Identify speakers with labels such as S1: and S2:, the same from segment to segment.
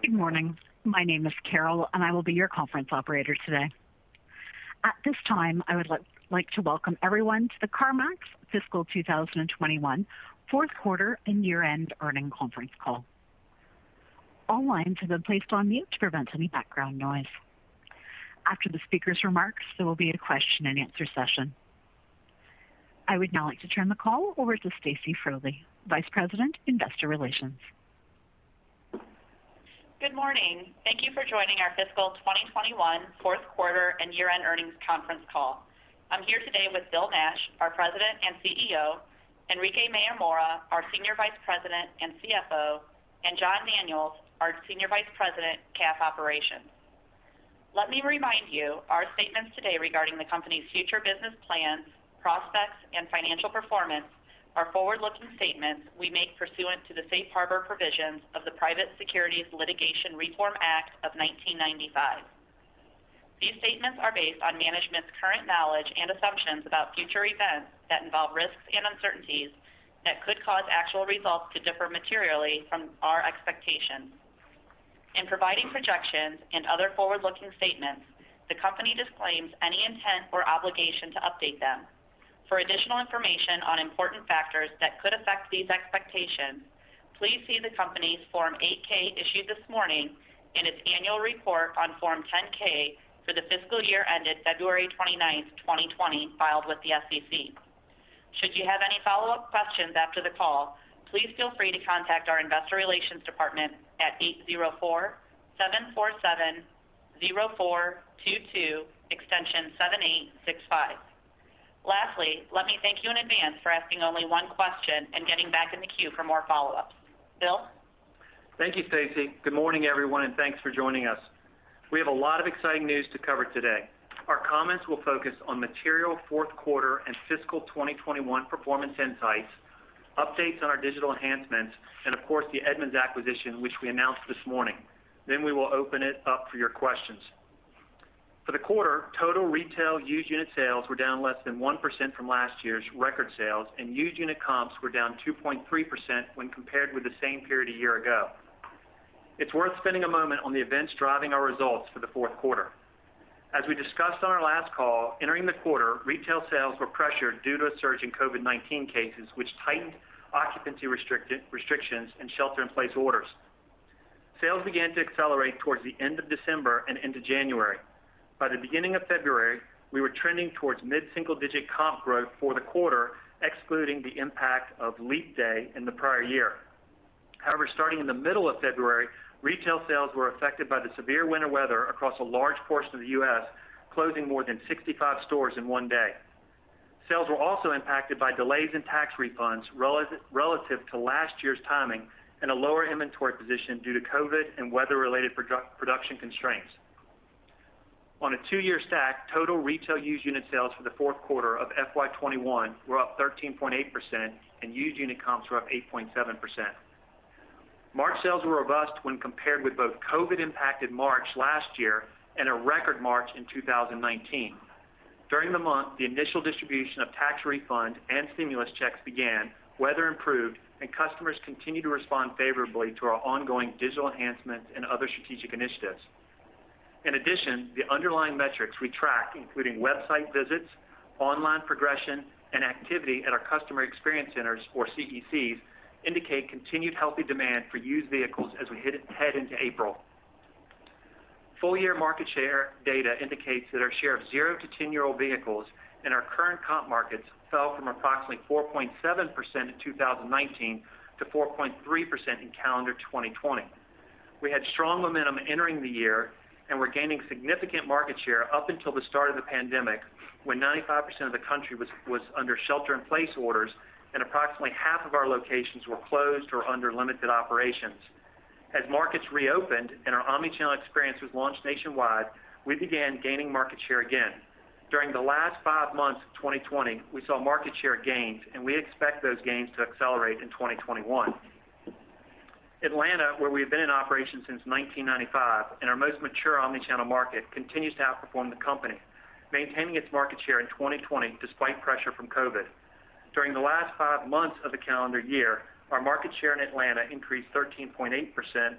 S1: Good morning. My name is Carol, and I will be your conference operator today. At this time, I would like to welcome everyone to the CarMax fiscal 2021 fourth quarter and year-end earnings conference call. All lines have been placed on mute to prevent any background noise. After the speaker's remarks, there will be a question-and-answer session. I would now like to turn the call over to Stacy Frole, Vice President of Investor Relations.
S2: Good morning. Thank you for joining our fiscal 2021 fourth quarter and year-end earnings conference call. I'm here today with Bill Nash, our President and CEO, Enrique Mayor-Mora, our Senior Vice President and CFO, and Jon Daniels, our Senior Vice President, CAF operations. Let me remind you, our statements today regarding the company's future business plans, prospects, and financial performance are forward-looking statements we make pursuant to the safe harbor provisions of the Private Securities Litigation Reform Act of 1995. These statements are based on management's current knowledge and assumptions about future events that involve risks and uncertainties that could cause actual results to differ materially from our expectations. In providing projections and other forward-looking statements, the company disclaims any intent or obligation to update them. For additional information on important factors that could affect these expectations, please see the company's Form 8-K issued this morning and its annual report on Form 10-K for the fiscal year ended February 29th, 2020, filed with the SEC. Should you have any follow-up questions after the call, please feel free to contact our investor relations department at 804-747-0422, extension 7865. Lastly, let me thank you in advance for asking only one question and getting back in the queue for more follow-ups. Bill?
S3: Thank you, Stacy. Good morning, everyone, and thanks for joining us. We have a lot of exciting news to cover today. Our comments will focus on material fourth quarter and fiscal 2021 performance insights, updates on our digital enhancements, and of course, the Edmunds acquisition, which we announced this morning. We will open it up for your questions. For the quarter, total retail used unit sales were down less than 1% from last year's record sales, and used unit comps were down 2.3% when compared with the same period a year ago. It's worth spending a moment on the events driving our results for the fourth quarter. As we discussed on our last call, entering the quarter, retail sales were pressured due to a surge in COVID-19 cases, which tightened occupancy restrictions and shelter-in-place orders. Sales began to accelerate towards the end of December and into January. By the beginning of February, we were trending towards mid-single-digit comp growth for the quarter, excluding the impact of Leap Day in the prior year. However, starting in the middle of February, retail sales were affected by the severe winter weather across a large portion of the U.S., closing more than 65 stores in one day. Sales were also impacted by delays in tax refunds relative to last year's timing and a lower inventory position due to COVID and weather-related production constraints. On a two-year stack, total retail used unit sales for the fourth quarter of FY 2021 were up 13.8% and used unit comps were up 8.7%. March sales were robust when compared with both COVID-impacted March last year and a record March in 2019. During the month, the initial distribution of tax refunds and stimulus checks began, weather improved, and customers continued to respond favorably to our ongoing digital enhancements and other strategic initiatives. In addition, the underlying metrics we track, including website visits, online progression, and activity at our customer experience centers, or CECs, indicate continued healthy demand for used vehicles as we head into April. Full-year market share data indicates that our share of zero to 10-year-old vehicles in our current comp markets fell from approximately 4.7% in 2019 to 4.3% in calendar 2020. We had strong momentum entering the year and were gaining significant market share up until the start of the pandemic, when 95% of the country was under shelter-in-place orders and approximately half of our locations were closed or under limited operations. As markets reopened and our omnichannel experience was launched nationwide, we began gaining market share again. During the last five months of 2020, we saw market share gains, and we expect those gains to accelerate in 2021. Atlanta, where we've been in operation since 1995, and our most mature omnichannel market, continues to outperform the company, maintaining its market share in 2020 despite pressure from COVID. During the last five months of the calendar year, our market share in Atlanta increased 13.8%.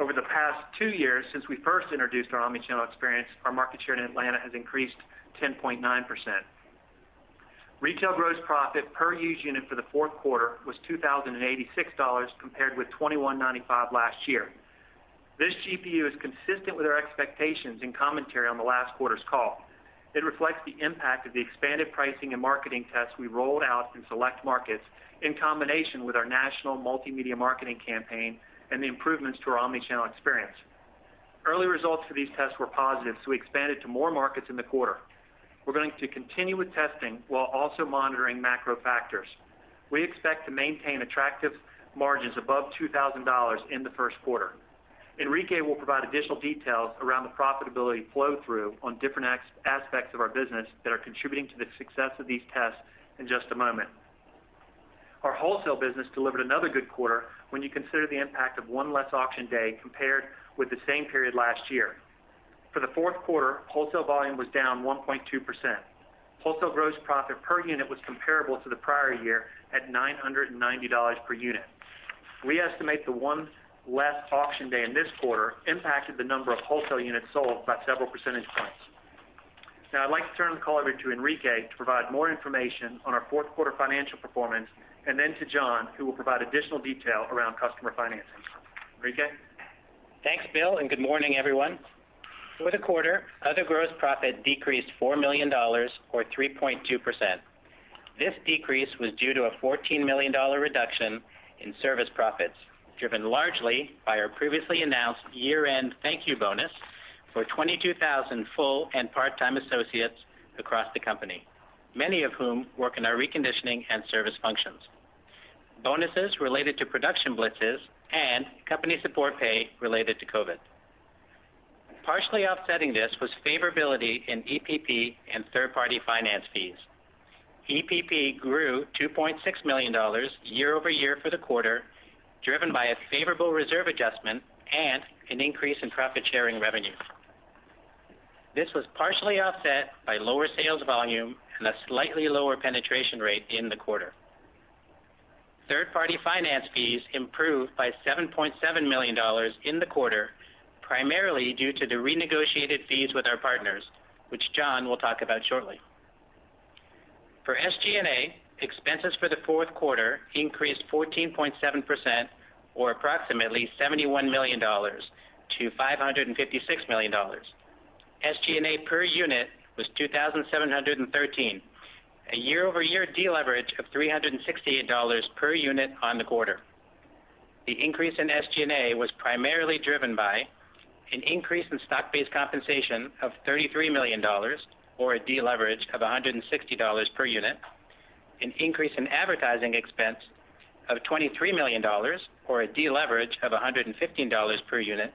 S3: Over the past two years, since we first introduced our omnichannel experience, our market share in Atlanta has increased 10.9%. Retail gross profit per used unit for the fourth quarter was $2,086 compared with $2,195 last year. This GPU is consistent with our expectations and commentary on the last quarter's call. It reflects the impact of the expanded pricing and marketing tests we rolled out in select markets in combination with our national multimedia marketing campaign and the improvements to our omnichannel experience. Early results for these tests were positive, so we expanded to more markets in the quarter. We're going to continue with testing while also monitoring macro factors. We expect to maintain attractive margins above $2,000 in the first quarter. Enrique will provide additional details around the profitability flow-through on different aspects of our business that are contributing to the success of these tests in just a moment. Our wholesale business delivered another good quarter when you consider the impact of one less auction day compared with the same period last year. For the fourth quarter, wholesale volume was down 1.2%. Wholesale gross profit per unit was comparable to the prior year at $990 per unit. We estimate the one less auction day in this quarter impacted the number of wholesale units sold by several percentage points. Now I'd like to turn the call over to Enrique to provide more information on our fourth quarter financial performance, and then to Jon, who will provide additional detail around customer financing. Enrique?
S4: Thanks, Bill. Good morning, everyone. For the quarter, other gross profit decreased $4 million, or 3.2%. This decrease was due to a $14 million reduction in service profits, driven largely by our previously announced year-end thank you bonus for 22,000 full and part-time associates across the company, many of whom work in our reconditioning and service functions, bonuses related to production blitzes, and company support pay related to COVID. Partially offsetting this was favorability in EPP and third-party finance fees. EPP grew $2.6 million year-over-year for the quarter, driven by a favorable reserve adjustment and an increase in profit-sharing revenue. This was partially offset by lower sales volume and a slightly lower penetration rate in the quarter. Third-party finance fees improved by $7.7 million in the quarter, primarily due to the renegotiated fees with our partners, which Jon will talk about shortly. For SG&A, expenses for the fourth quarter increased 14.7%, or approximately $71 million to $556 million. SG&A per unit was 2,713, a year-over-year deleverage of $368 per unit on the quarter. The increase in SG&A was primarily driven by an increase in stock-based compensation of $33 million, or a deleverage of $160 per unit, an increase in advertising expense of $23 million, or a deleverage of $115 per unit,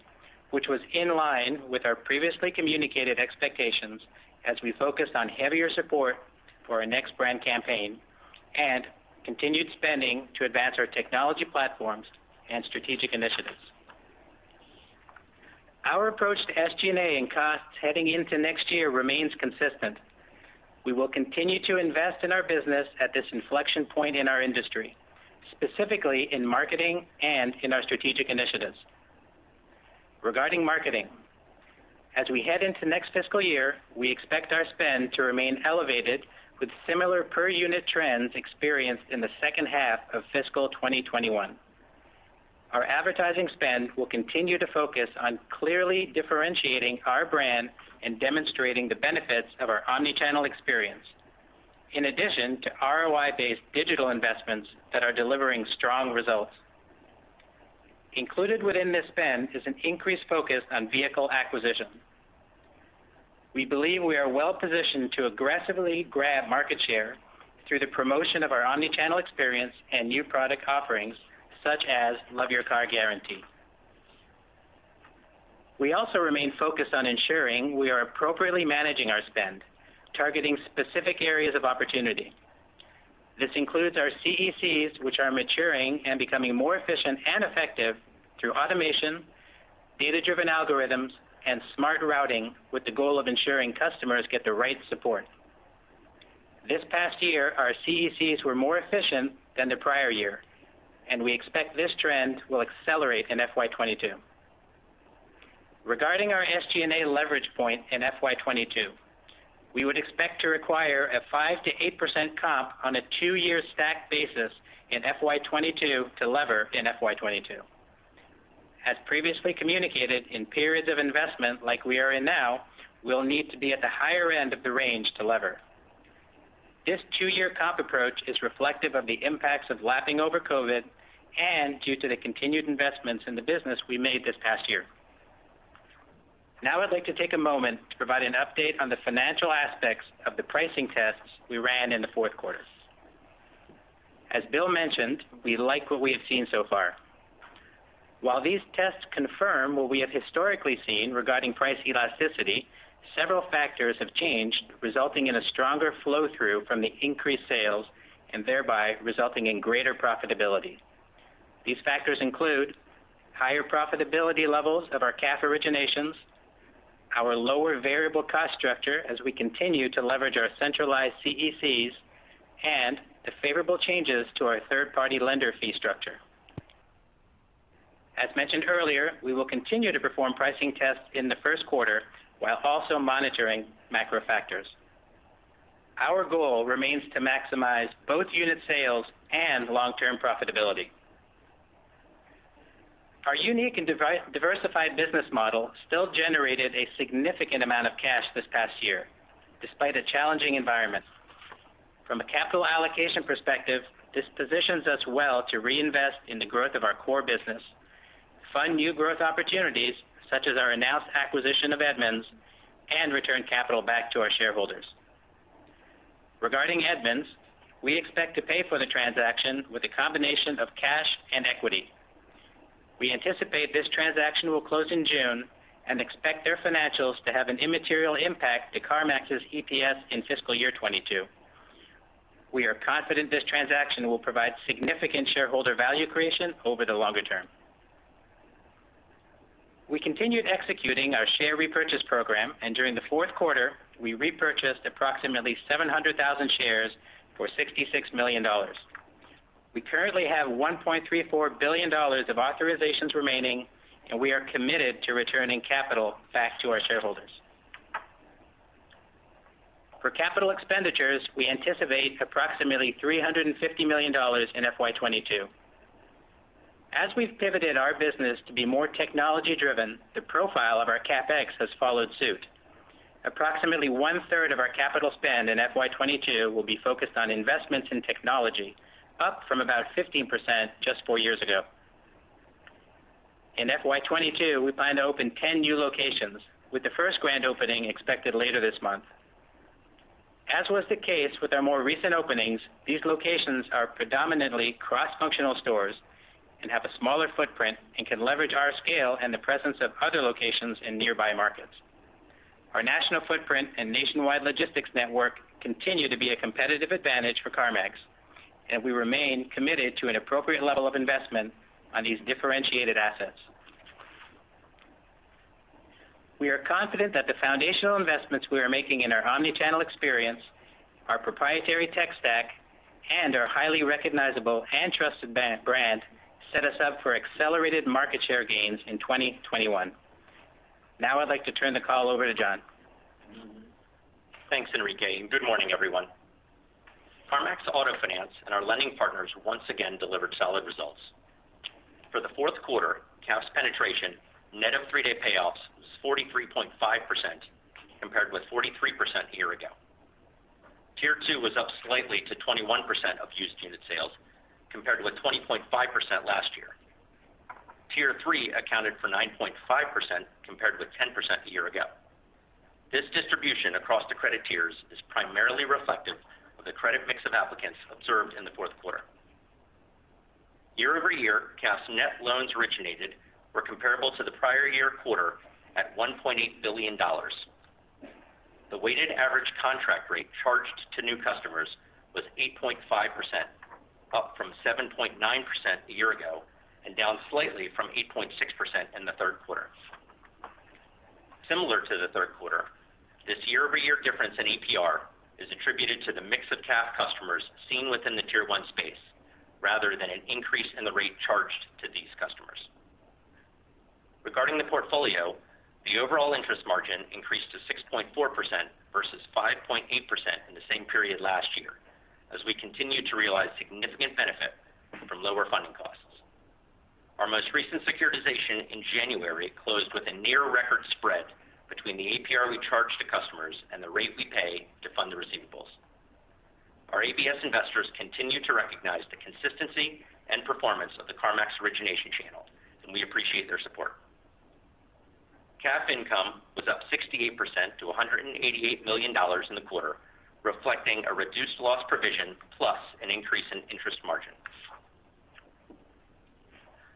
S4: which was in line with our previously communicated expectations as we focused on heavier support for our next brand campaign and continued spending to advance our technology platforms and strategic initiatives. Our approach to SG&A and costs heading into next year remains consistent. We will continue to invest in our business at this inflection point in our industry, specifically in marketing and in our strategic initiatives. Regarding marketing, as we head into next fiscal year, we expect our spend to remain elevated with similar per-unit trends experienced in the second half of fiscal 2021. Our advertising spend will continue to focus on clearly differentiating our brand and demonstrating the benefits of our omnichannel experience, in addition to ROI-based digital investments that are delivering strong results. Included within this spend is an increased focus on vehicle acquisition. We believe we are well-positioned to aggressively grab market share through the promotion of our omnichannel experience and new product offerings such as Love Your Car Guarantee. We also remain focused on ensuring we are appropriately managing our spend, targeting specific areas of opportunity. This includes our CECs, which are maturing and becoming more efficient and effective through automation, data-driven algorithms, and smart routing with the goal of ensuring customers get the right support. This past year, our CECs were more efficient than the prior year. We expect this trend will accelerate in FY 2022. Regarding our SG&A leverage point in FY 2022, we would expect to require a 5%-8% comp on a two-year stacked basis in FY 2022 to lever in FY 2022. As previously communicated, in periods of investment like we are in now, we'll need to be at the higher end of the range to lever. This two-year comp approach is reflective of the impacts of lapping over COVID and due to the continued investments in the business we made this past year. I'd like to take a moment to provide an update on the financial aspects of the pricing tests we ran in the fourth quarter. As Bill mentioned, we like what we have seen so far. While these tests confirm what we have historically seen regarding price elasticity, several factors have changed, resulting in a stronger flow-through from the increased sales, and thereby resulting in greater profitability. These factors include higher profitability levels of our CAF originations, our lower variable cost structure as we continue to leverage our centralized CECs, and the favorable changes to our third-party lender fee structure. As mentioned earlier, we will continue to perform pricing tests in the first quarter while also monitoring macro factors. Our goal remains to maximize both unit sales and long-term profitability. Our unique and diversified business model still generated a significant amount of cash this past year, despite a challenging environment. From a capital allocation perspective, this positions us well to reinvest in the growth of our core business, fund new growth opportunities, such as our announced acquisition of Edmunds, and return capital back to our shareholders. Regarding Edmunds, we expect to pay for the transaction with a combination of cash and equity. We anticipate this transaction will close in June and expect their financials to have an immaterial impact to CarMax's EPS in fiscal year 2022. We are confident this transaction will provide significant shareholder value creation over the longer term. We continued executing our share repurchase program, and during the fourth quarter, we repurchased approximately 700,000 shares for $66 million. We currently have $1.34 billion of authorizations remaining, and we are committed to returning capital back to our shareholders. For capital expenditures, we anticipate approximately $350 million in FY 2022. As we've pivoted our business to be more technology-driven, the profile of our CapEx has followed suit. Approximately one-third of our capital spend in FY 2022 will be focused on investments in technology, up from about 15% just four years ago. In FY 2022, we plan to open 10 new locations, with the first grand opening expected later this month. As was the case with our more recent openings, these locations are predominantly cross-functional stores and have a smaller footprint and can leverage our scale and the presence of other locations in nearby markets. Our national footprint and nationwide logistics network continue to be a competitive advantage for CarMax, and we remain committed to an appropriate level of investment in these differentiated assets. We are confident that the foundational investments we are making in our omnichannel experience, our proprietary tech stack, and our highly recognizable and trusted brand set us up for accelerated market share gains in 2021. Now I'd like to turn the call over to Jon.
S5: Thanks, Enrique, and good morning, everyone. CarMax Auto Finance and our lending partners once again delivered solid results. For the fourth quarter, CAF's penetration net of three-day payoffs was 43.5%, compared with 43% a year ago. Tier 2 was up slightly to 21% of used unit sales, compared with 20.5% last year. Tier 3 accounted for 9.5%, compared with 10% a year ago. This distribution across the credit tiers is primarily reflective of the credit mix of applicants observed in the fourth quarter. Year-over-year, CAF's net loans originated were comparable to the prior year quarter at $1.8 billion. The weighted average contract rate charged to new customers was 8.5%, up from 7.9% a year ago, and down slightly from 8.6% in the third quarter. Similar to the third quarter, this year-over-year difference in APR is attributed to the mix of CAF customers seen within the Tier 1 space rather than an increase in the rate charged to these customers. Regarding the portfolio, the overall interest margin increased to 6.4% versus 5.8% in the same period last year as we continue to realize significant benefits from lower funding costs. Our most recent securitization in January closed with a near record spread between the APR we charge to customers and the rate we pay to fund the receivables. Our ABS investors continue to recognize the consistency and performance of the CarMax origination channel, and we appreciate their support. CAF income was up 68% to $288 million in the quarter, reflecting a reduced loss provision, plus an increase in interest margin.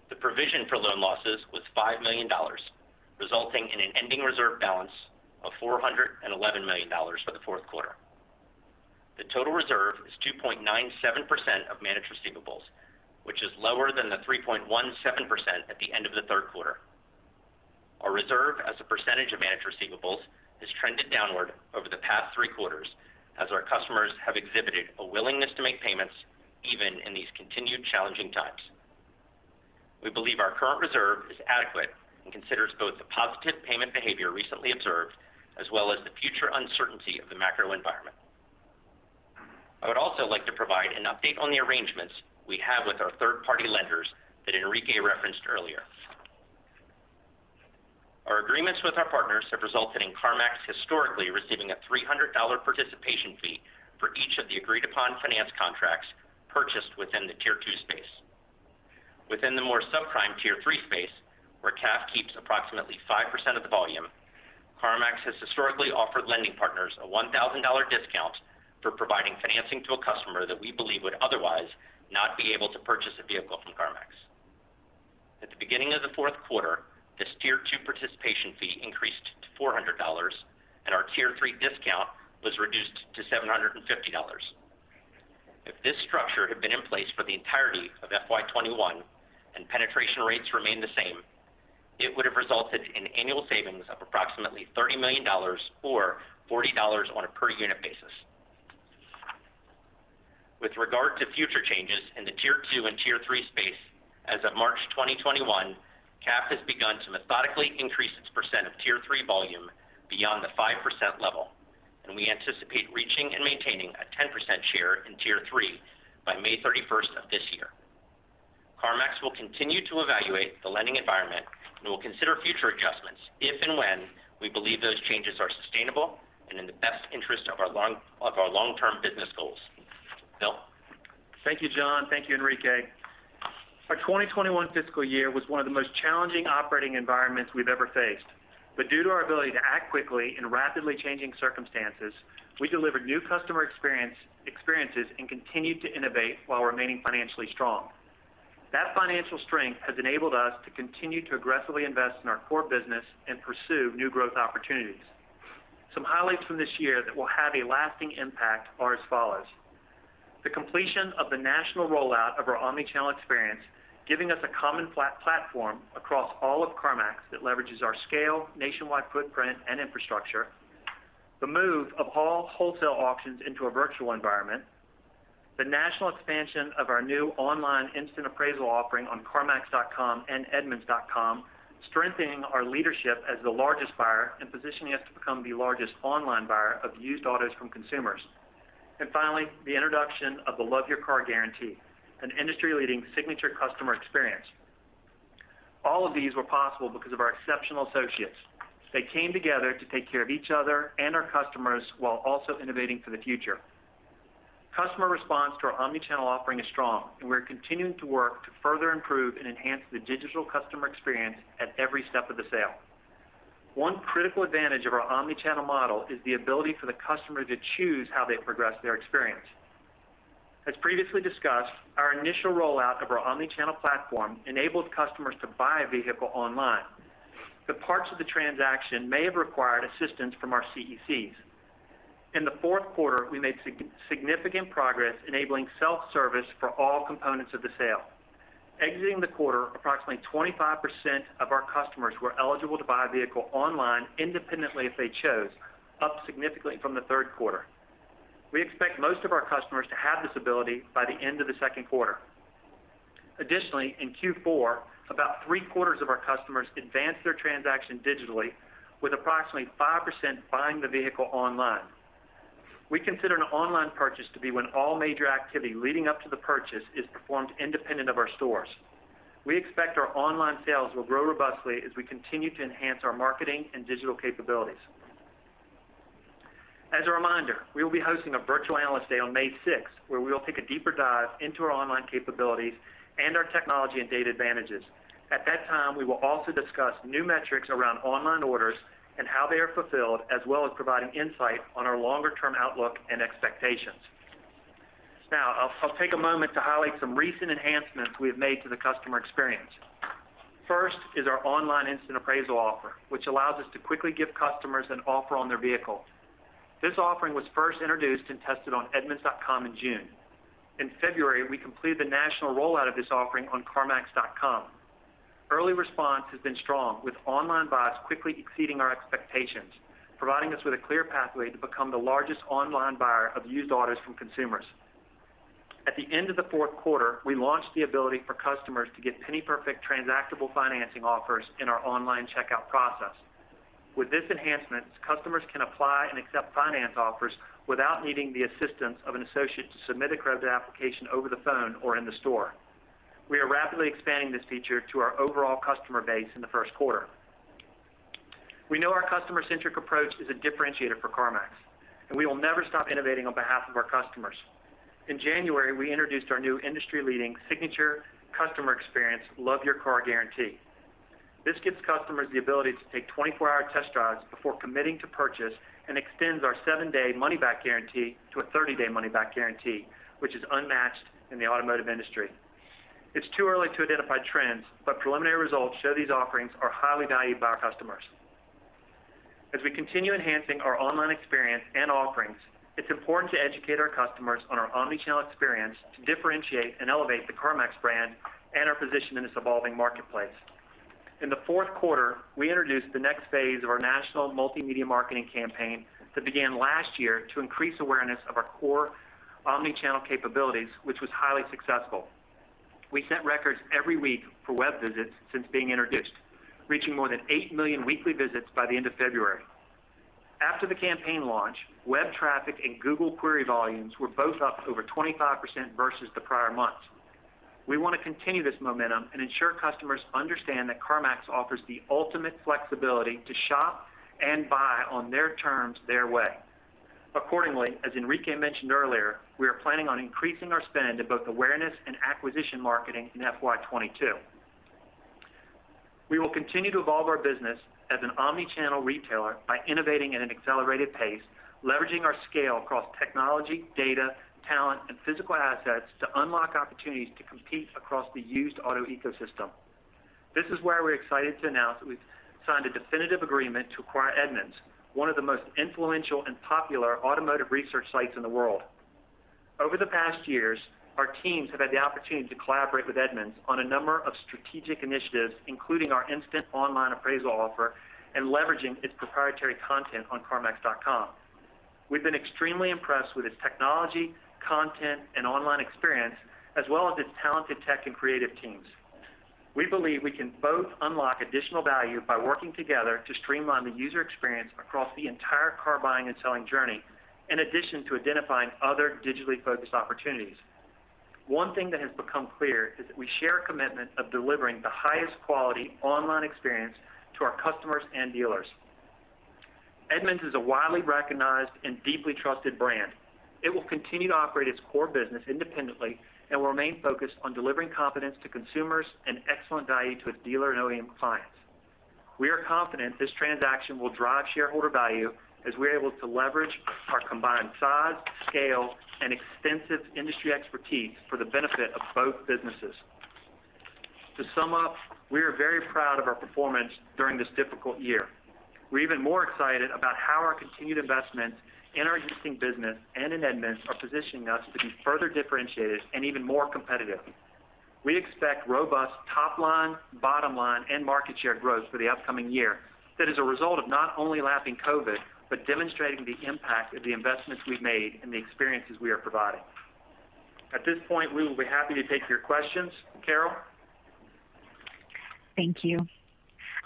S5: The provision for loan losses was $5 million, resulting in an ending reserve balance of $411 million for the fourth quarter. The total reserve is 2.97% of managed receivables, which is lower than the 3.17% at the end of the third quarter. Our reserve as a percentage of managed receivables has trended downward over the past three quarters as our customers have exhibited a willingness to make payments even in these continued challenging times. We believe our current reserve is adequate and considers both the positive payment behavior recently observed, as well as the future uncertainty of the macro environment. I would also like to provide an update on the arrangements we have with our third-party lenders that Enrique referenced earlier. Our agreements with our partners have resulted in CarMax historically receiving a $300 participation fee for each of the agreed-upon finance contracts purchased within the Tier 2 space. Within the more subprime Tier 3 space, where CAF keeps approximately 5% of the volume, CarMax has historically offered lending partners a $1,000 discount for providing financing to a customer that we believe would otherwise not be able to purchase a vehicle from CarMax. At the beginning of the fourth quarter, this Tier 2 participation fee increased to $400, and our Tier 3 discount was reduced to $750. If this structure had been in place for the entirety of FY 2021 and penetration rates remained the same, it would have resulted in annual savings of approximately $30 million or $40 on a per unit basis. With regard to future changes in the Tier 2 and Tier 3 space, as of March 2021, CAF has begun to methodically increase its percent of Tier 3 volume beyond the 5% level, and we anticipate reaching and maintaining a 10% share in Tier 3 by May 31st of this year. CarMax will continue to evaluate the lending environment and will consider future adjustments if and when we believe those changes are sustainable and in the best interest of our long-term business goals. Bill?
S3: Thank you, Jon. Thank you, Enrique. Our 2021 fiscal year was one of the most challenging operating environments we've ever faced. Due to our ability to act quickly in rapidly changing circumstances, we delivered new customer experiences and continued to innovate while remaining financially strong. That financial strength has enabled us to continue to aggressively invest in our core business and pursue new growth opportunities. Some highlights from this year that will have a lasting impact are as follows. The completion of the national rollout of our omnichannel experience, giving us a common platform across all of CarMax that leverages our scale, nationwide footprint, and infrastructure. The move of all wholesale auctions into a virtual environment. The national expansion of our new online instant appraisal offering on carmax.com and edmunds.com, strengthening our leadership as the largest buyer and positioning us to become the largest online buyer of used autos from consumers. Finally, the introduction of the Love Your Car Guarantee, an industry-leading signature customer experience. All of these were possible because of our exceptional associates. They came together to take care of each other and our customers while also innovating for the future. Customer response to our omnichannel offering is strong, and we're continuing to work to further improve and enhance the digital customer experience at every step of the sale. One critical advantage of our omnichannel model is the ability for the customer to choose how they progress their experience. As previously discussed, our initial rollout of our omnichannel platform enabled customers to buy a vehicle online. Parts of the transaction may have required assistance from our CECs. In the fourth quarter, we made significant progress enabling self-service for all components of the sale. Exiting the quarter, approximately 25% of our customers were eligible to buy a vehicle online independently if they chose, up significantly from the third quarter. We expect most of our customers to have this ability by the end of the second quarter. Additionally, in Q4, about three-quarters of our customers advanced their transactions digitally with approximately 5% buying the vehicle online. We consider an online purchase to be when all major activities leading up to the purchase is performed independent of our stores. We expect our online sales will grow robustly as we continue to enhance our marketing and digital capabilities. As a reminder, we will be hosting a virtual Analyst Day on May 6th, where we will take a deeper dive into our online capabilities and our technology and data advantages. At that time, we will also discuss new metrics around online orders and how they are fulfilled, as well as providing insight on our longer-term outlook and expectations. Now, I'll take a moment to highlight some recent enhancements we have made to the customer experience. First is our online instant appraisal offer, which allows us to quickly give customers an offer on their vehicle. This offering was first introduced and tested on edmunds.com in June. In February, we completed the national rollout of this offering on carmax.com. Early response has been strong, with online buyers quickly exceeding our expectations, providing us with a clear pathway to become the largest online buyer of used autos from consumers. At the end of the fourth quarter, we launched the ability for customers to get penny-perfect transactable financing offers in our online checkout process. With this enhancement, customers can apply and accept finance offers without needing the assistance of an associate to submit a credit application over the phone or in the store. We are rapidly expanding this feature to our overall customer base in the first quarter. We know our customer-centric approach is a differentiator for CarMax, and we will never stop innovating on behalf of our customers. In January, we introduced our new industry-leading signature customer experience, Love Your Car Guarantee. This gives customers the ability to take 24-hour test drives before committing to purchase and extends our seven-day money-back guarantee to a 30-day money-back guarantee, which is unmatched in the automotive industry. It's too early to identify trends, but preliminary results show these offerings are highly valued by our customers. As we continue enhancing our online experience and offerings, it's important to educate our customers on our omnichannel experience to differentiate and elevate the CarMax brand and our position in this evolving marketplace. In the fourth quarter, we introduced the next phase of our national multimedia marketing campaign that began last year to increase awareness of our core omnichannel capabilities, which was highly successful. We set records every week for web visits since being introduced, reaching more than 8 million weekly visits by the end of February. After the campaign launch, web traffic and Google query volumes were both up over 25% versus the prior months. We want to continue this momentum and ensure customers understand that CarMax offers the ultimate flexibility to shop and buy on their terms, their way. Accordingly, as Enrique mentioned earlier, we are planning on increasing our spend in both awareness and acquisition marketing in FY 2022. We will continue to evolve our business as an omnichannel retailer by innovating at an accelerated pace, leveraging our scale across technology, data, talent, and physical assets to unlock opportunities to compete across the used auto ecosystem. This is why we're excited to announce that we've signed a definitive agreement to acquire Edmunds, one of the most influential and popular automotive research sites in the world. Over the past years, our teams have had the opportunity to collaborate with Edmunds on a number of strategic initiatives, including our instant online appraisal offer and leveraging its proprietary content on carmax.com. We've been extremely impressed with its technology, content, and online experience, as well as its talented tech and creative teams. We believe we can both unlock additional value by working together to streamline the user experience across the entire car-buying and selling journey, in addition to identifying other digitally focused opportunities. One thing that has become clear is that we share a commitment of delivering the highest quality online experience to our customers and dealers. Edmunds is a widely recognized and deeply trusted brand. It will continue to operate its core business independently and remain focused on delivering confidence to consumers and excellent value to its dealer and OEM clients. We are confident this transaction will drive shareholder value as we're able to leverage our combined size, scale, and extensive industry expertise for the benefit of both businesses. To sum up, we are very proud of our performance during this difficult year. We're even more excited about how our continued investments in our existing business and in Edmunds are positioning us to be further differentiated and even more competitive. We expect robust top line, bottom line, and market share growth for the upcoming year that is a result of not only lapping COVID, but demonstrating the impact of the investments we've made and the experiences we are providing. At this point, we will be happy to take your questions. Carol?
S1: Thank you.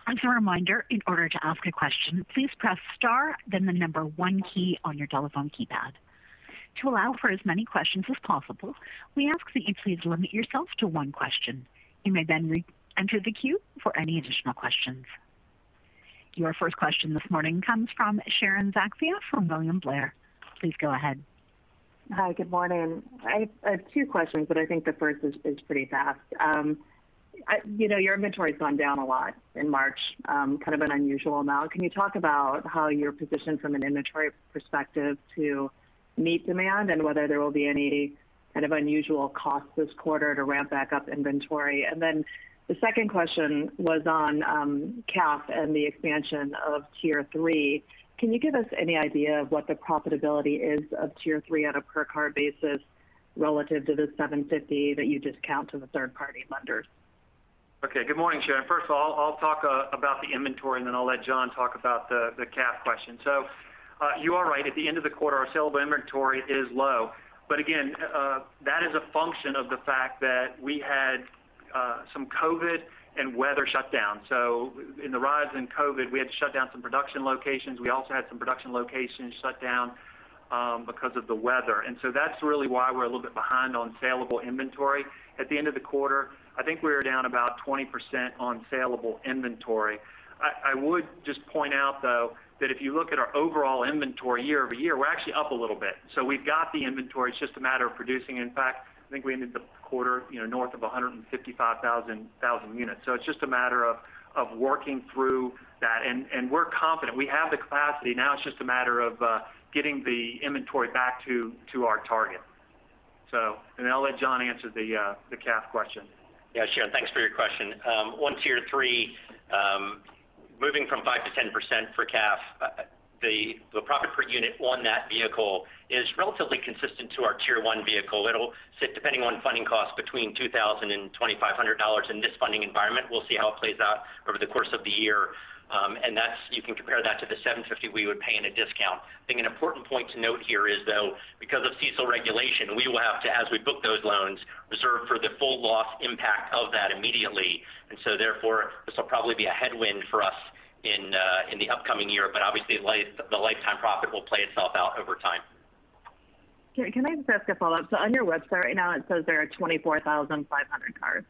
S1: As a reminder, in order to ask a question, please press star then the number one key on your telephone keypad. To allow for as many questions as possible, we ask that you please limit yourself to one question. You may re-enter the queue for any additional questions. Your first question this morning comes from Sharon Zackfia from William Blair. Please go ahead.
S6: Hi. Good morning. I have two questions, but I think the first is pretty fast. Your inventory's gone down a lot in March, kind of an unusual amount. Can you talk about how you're positioned from an inventory perspective to meet demand, and whether there will be any kind of unusual costs this quarter to ramp back up inventory? The second question was on CAF and the expansion of Tier 3. Can you give us any idea of what the profitability is of Tier 3 on a per car basis relative to the $750 that you discount to the third-party lenders?
S3: Good morning, Sharon. First of all, I'll talk about the inventory, then I'll let Jon talk about the CAF question. Again, that is a function of the fact that we had some COVID and weather shutdown. In the rise in COVID, we had to shut down some production locations. We also had some production locations shut down because of the weather. That's really why we're a little bit behind on saleable inventory. At the end of the quarter, I think we were down about 20% on saleable inventory. I would just point out, though, that if you look at our overall inventory year-over-year, we're actually up a little bit. We've got the inventory. It's just a matter of producing. I think we ended the quarter north of 155,000 units. It's just a matter of working through that. We're confident. We have the capacity. Now it's just a matter of getting the inventory back to our target. I'll let Jon answer the CAF question.
S5: Yeah, Sharon, thanks for your question. On Tier 3, moving from 5%-10% for CAF, the profit per unit on that vehicle is relatively consistent to our Tier 1 vehicle. It'll sit, depending on funding costs, between $2,000 and $2,500 in this funding environment. We'll see how it plays out over the course of the year. You can compare that to the $750 we would pay in a discount. I think an important point to note here is, though, because of CECL regulation, we will have to, as we book those loans, reserve for the full loss impact of that immediately. Therefore, this will probably be a headwind for us in the upcoming year. Obviously, the lifetime profit will play itself out over time.
S6: Can I just ask a follow-up? On your website right now, it says there are 24,500 cars.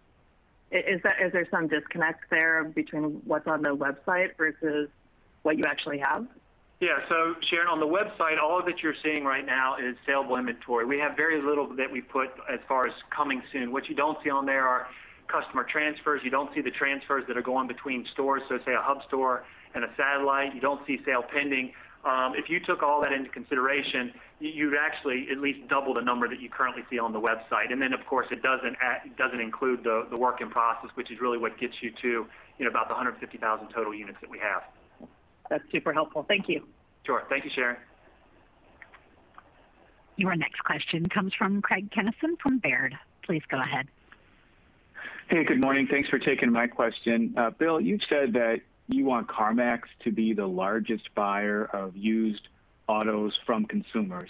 S6: Is there some disconnect there between what's on the website versus what you actually have?
S3: Yeah. Sharon, on the website, all that you're seeing right now is saleable inventory. We have very little that we put as far as coming soon. What you don't see on there are customer transfers. You don't see the transfers that are going between stores, so say a hub store and a satellite. You don't see a sale pending. If you took all that into consideration, you'd actually at least double the number that you currently see on the website. Of course, it doesn't include the work in process, which is really what gets you to about the 150,000 total units that we have.
S6: That's super helpful. Thank you.
S3: Sure. Thank you, Sharon.
S1: Your next question comes from Craig Kennison from Baird. Please go ahead.
S7: Hey, good morning. Thanks for taking my question. Bill, you've said that you want CarMax to be the largest buyer of used autos from consumers.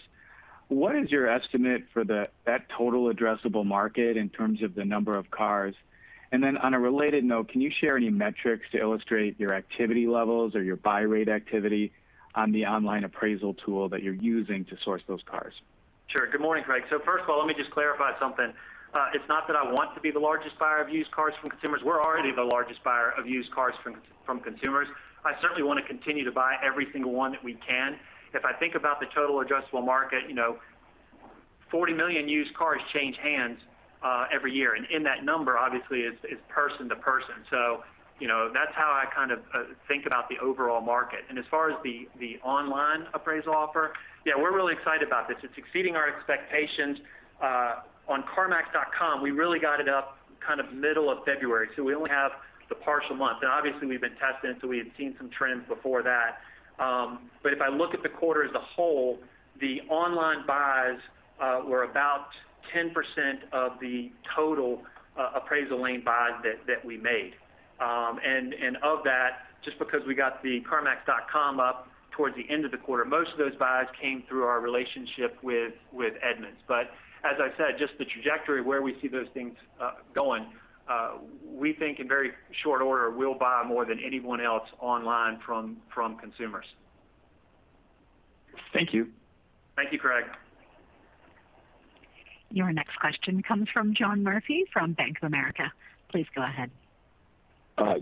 S7: What is your estimate for that total addressable market in terms of the number of cars? Then on a related note, can you share any metrics to illustrate your activity levels or your buy rate activity on the online appraisal tool that you're using to source those cars?
S3: Sure. Good morning, Craig. First of all, let me just clarify something. It's not that I want to be the largest buyer of used cars from consumers. We're already the largest buyer of used cars from consumers. I certainly want to continue to buy every single one that we can. If I think about the total addressable market, 40 million used cars change hands every year. In that number, obviously, it's person-to-person. That's how I kind of think about the overall market. As far as the online appraisal offer, yeah, we're really excited about this. It's exceeding our expectations. On carmax.com, we really got it up kind of middle of February, so we only have the partial month. Now obviously, we've been testing it, so we had seen some trends before that. If I look at the quarter as a whole, the online buys were about 10% of the total appraisal lane buys that we made. Of that, just because we got the carmax.com up towards the end of the quarter, most of those buys came through our relationship with Edmunds. As I said, just the trajectory where we see those things going, we think in very short order, we'll buy more than anyone else online from consumers.
S7: Thank you.
S3: Thank you, Craig.
S1: Your next question comes from John Murphy from Bank of America. Please go ahead.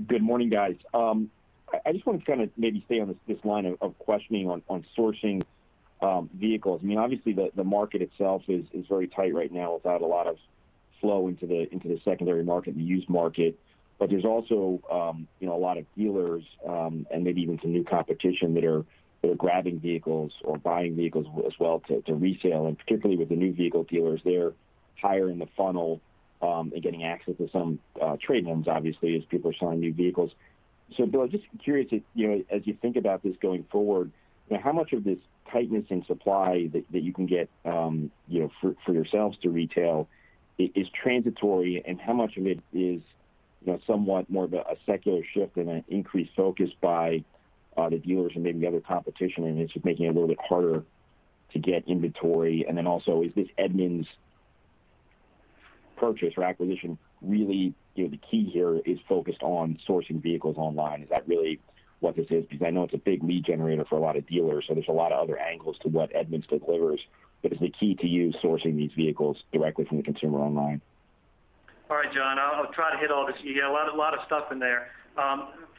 S8: Good morning, guys. I just want to kind of maybe stay on this line of questioning on sourcing vehicles. Obviously, the market itself is very tight right now without a lot of flow into the secondary market, the used market, there's also a lot of dealers, and maybe even some new competition that are grabbing vehicles or buying vehicles as well to resale, and particularly with the new vehicle dealers, they're higher in the funnel, and getting access to some trade-ins, obviously, as people are selling new vehicles. Bill, I'm just curious, as you think about this going forward, how much of this tightness in supply that you can get for yourselves to retail is transitory, and how much of it is somewhat more of a secular shift and an increased focus by the dealers and maybe the other competition, and it's just making it a little bit harder to get inventory. Is this Edmunds purchase or acquisition really, the key here is focused on sourcing vehicles online. Is that really what this is? Because I know it's a big lead generator for a lot of dealers, so there's a lot of other angles to what Edmunds delivers. Is the key to you sourcing these vehicles directly from the consumer online?
S3: All right, John, I'll try to hit all this. You got a lot of stuff in there.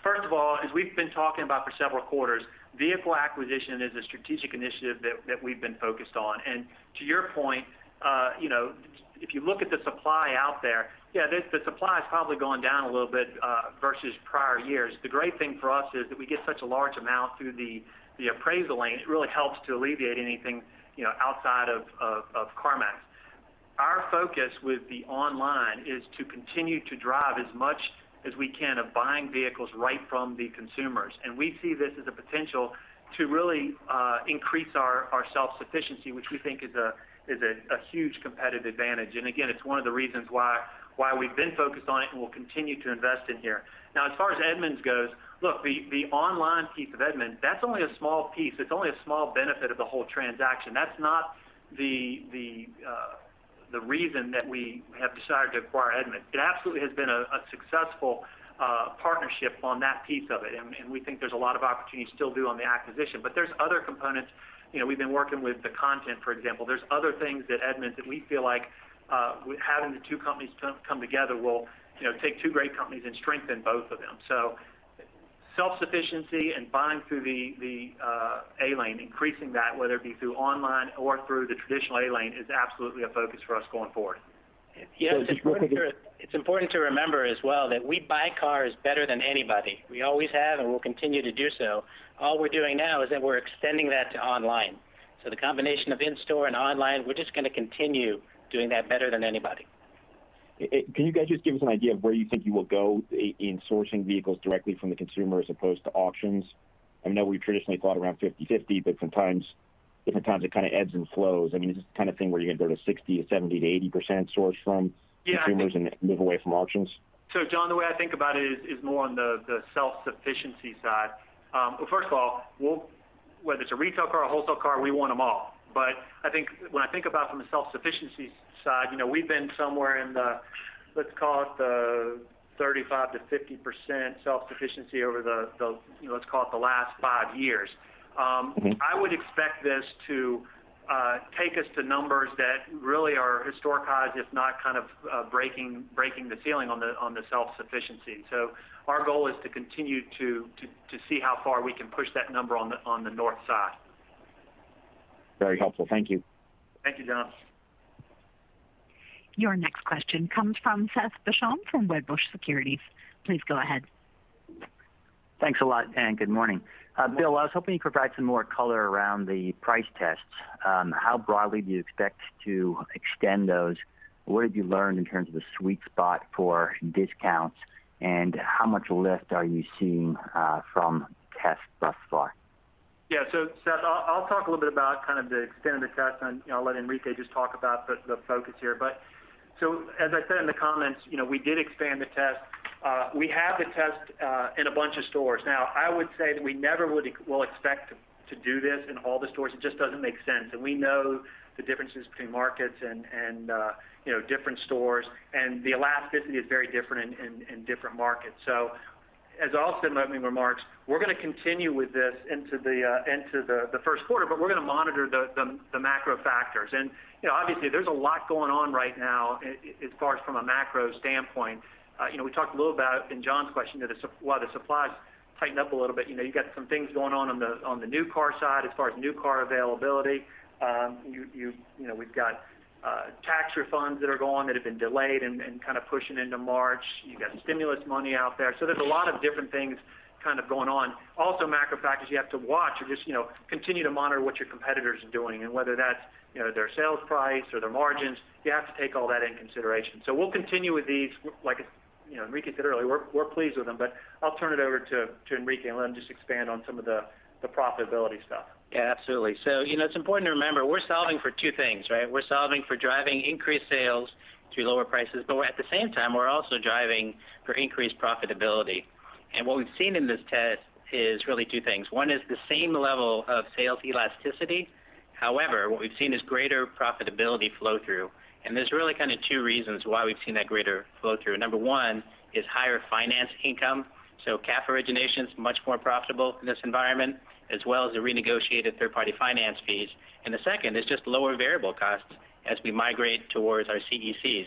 S3: First of all, as we've been talking about for several quarters, vehicle acquisition is a strategic initiative that we've been focused on. To your point, if you look at the supply out there, the supply's probably gone down a little bit, versus prior years. The great thing for us is that we get such a large amount through the appraisal lane, which really helps to alleviate anything outside of CarMax. Our focus with the online is to continue to drive as much as we can of buying vehicles right from the consumers. We see this as a potential to really increase our self-sufficiency, which we think is a huge competitive advantage. Again, it's one of the reasons why we've been focused on it, and we'll continue to invest in here. As far as Edmunds goes, look, the online piece of Edmunds, that's only a small piece. It's only a small benefit of the whole transaction. That's not the reason that we have decided to acquire Edmunds. It absolutely has been a successful partnership on that piece of it, and we think there's a lot of opportunity to still do on the acquisition. There's other components. We've been working with the content, for example. There's other things at Edmunds that we feel like, having the two companies come together will take two great companies and strengthen both of them. Self-sufficiency and buying through the A lane, increasing that, whether it be through online or through the traditional A lane, is absolutely a focus for us going forward.
S4: Yes, it's important to remember as well that we buy cars better than anybody. We always have and will continue to do so. All we're doing now is that we're extending that to online. The combination of in-store and online, we're just going to continue doing that better than anybody.
S8: Can you guys just give us an idea of where you think you will go in sourcing vehicles directly from the consumer as opposed to auctions? I know we traditionally thought around 50/50, but sometimes different times it ebbs and flows. Is this the kind of thing where you're going to go to 60% to 70% to 80% source from consumers and move away from auctions?
S3: John, the way I think about it is more on the self-sufficiency side. First of all, whether it's a retail car or a wholesale car, we want them all. But when I think about from a self-sufficiency side, we've been somewhere in the, let's call it the 35%-50% self-sufficiency over the, let's call it the last five years. I would expect this to take us to numbers that really are historic highs, if not breaking the ceiling on the self-sufficiency. Our goal is to continue to see how far we can push that number on the north side.
S8: Very helpful. Thank you.
S3: Thank you, John.
S1: Your next question comes from Seth Basham from Wedbush Securities. Please go ahead.
S9: Thanks a lot, and good morning. Bill, I was hoping you could provide some more color around the price tests. How broadly do you expect to extend those? What have you learned in terms of the sweet spot for discounts, and how much lift are you seeing from tests thus far?
S3: Yeah. Seth, I'll talk a little bit about the extent of the tests and I'll let Enrique just talk about the focus here. As I said in the comments, we did expand the test. We have the test in a bunch of stores. Now, I would say that we never will expect to do this in all the stores. It just doesn't make sense, and we know the differences between markets and different stores, and the elasticity is very different in different markets. As I also said in my opening remarks, we're going to continue with this into the first quarter, we're going to monitor the macro factors. Obviously, there's a lot going on right now as far as from a macro standpoint. We talked a little about it in Jon's question, while the supply's tightened up a little bit, you've got some things going on the new car side as far as new car availability. We've got tax refunds that are going that have been delayed and pushing into March. You've got stimulus money out there. There's a lot of different things going on. Macro factors you have to watch are just continue to monitor what your competitors are doing, and whether that's their sales price or their margins, you have to take all that in consideration. We'll continue with these, like Enrique said earlier, we're pleased with them, but I'll turn it over to Enrique and let him just expand on some of the profitability stuff.
S4: Yeah, absolutely. It's important to remember, we're solving for two things. We're solving for driving increased sales through lower prices, but at the same time, we're also driving for increased profitability. What we've seen in this test is really two things. One is the same level of sales elasticity. However, what we've seen is greater profitability flow through, and there's really two reasons why we've seen that greater flow through. Number one is higher finance income. CAF origination's much more profitable in this environment, as well as the renegotiated third-party finance fees. The second is just lower variable costs as we migrate towards our CECs.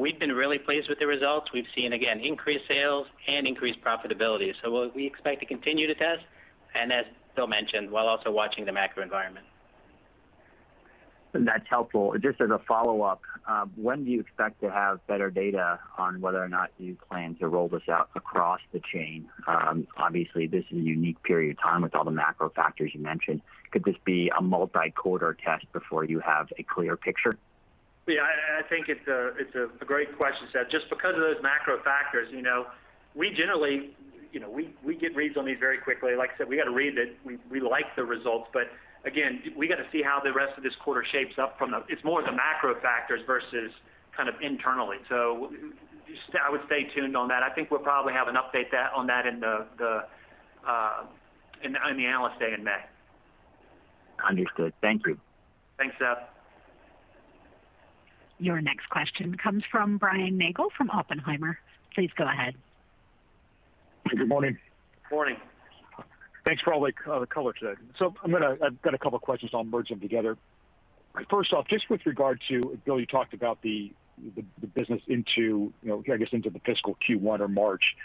S4: We've been really pleased with the results. We've seen, again, increased sales and increased profitability. We expect to continue to test, and as Bill mentioned, while also watching the macro environment.
S9: That's helpful. Just as a follow-up, when do you expect to have better data on whether or not you plan to roll this out across the chain? Obviously, this is a unique period of time with all the macro factors you mentioned. Could this be a multi-quarter test before you have a clear picture?
S3: I think it's a great question, Seth. Just because of those macro factors, we get reads on these very quickly. Like I said, we got a read that we like the results, but again, we got to see how the rest of this quarter shapes up. It's more the macro factors versus internally. I would stay tuned on that. I think we'll probably have an update on that in the Analyst Day in May.
S9: Understood. Thank you.
S3: Thanks, Seth.
S1: Your next question comes from Brian Nagel from Oppenheimer. Please go ahead.
S10: Good morning.
S3: Morning.
S10: Thanks for all the color today. I've got a couple questions. I'll merge them together. First off, just with regard to, Bill, you talked about the business into the fiscal Q1 or March.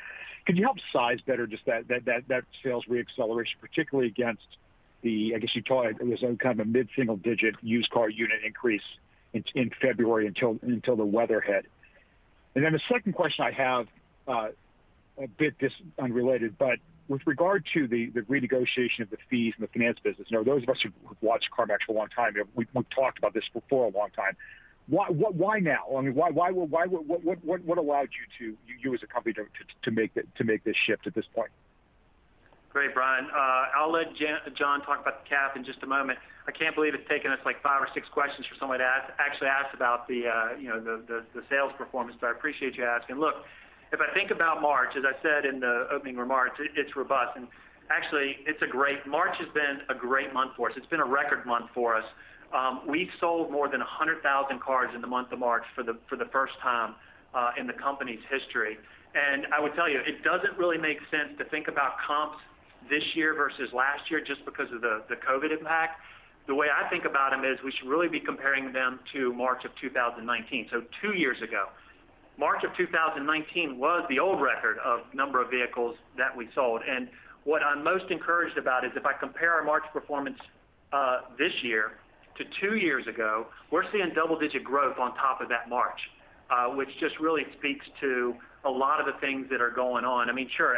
S10: Could you help size better just that sales re-acceleration, particularly against the, I guess you call it, some kind of a mid-single digit used car unit increase in February until the weather hit. Then the second question I have, a bit unrelated, but with regard to the renegotiation of the fees and the finance business, those of us who have watched CarMax for a long time, we've talked about this for a long time. Why now? What allowed you as a company to make this shift at this point?
S3: Great, Brian. I'll let Jon talk about the CAF in just a moment. I can't believe it's taken us five or six questions for somebody to actually ask about the sales performance, but I appreciate you asking. Look, if I think about March, as I said in the opening remarks, it's robust. Actually, March has been a great month for us. It's been a record month for us. We sold more than 100,000 cars in the month of March for the first time in the company's history. I would tell you, it doesn't really make sense to think about comps this year versus last year just because of the COVID impact. The way I think about them is we should really be comparing them to March of 2019, so two years ago. March of 2019 was the old record of number of vehicles that we sold. What I'm most encouraged about is if I compare our March performance this year to two years ago, we're seeing double-digit growth on top of that March, which just really speaks to a lot of the things that are going on. Sure,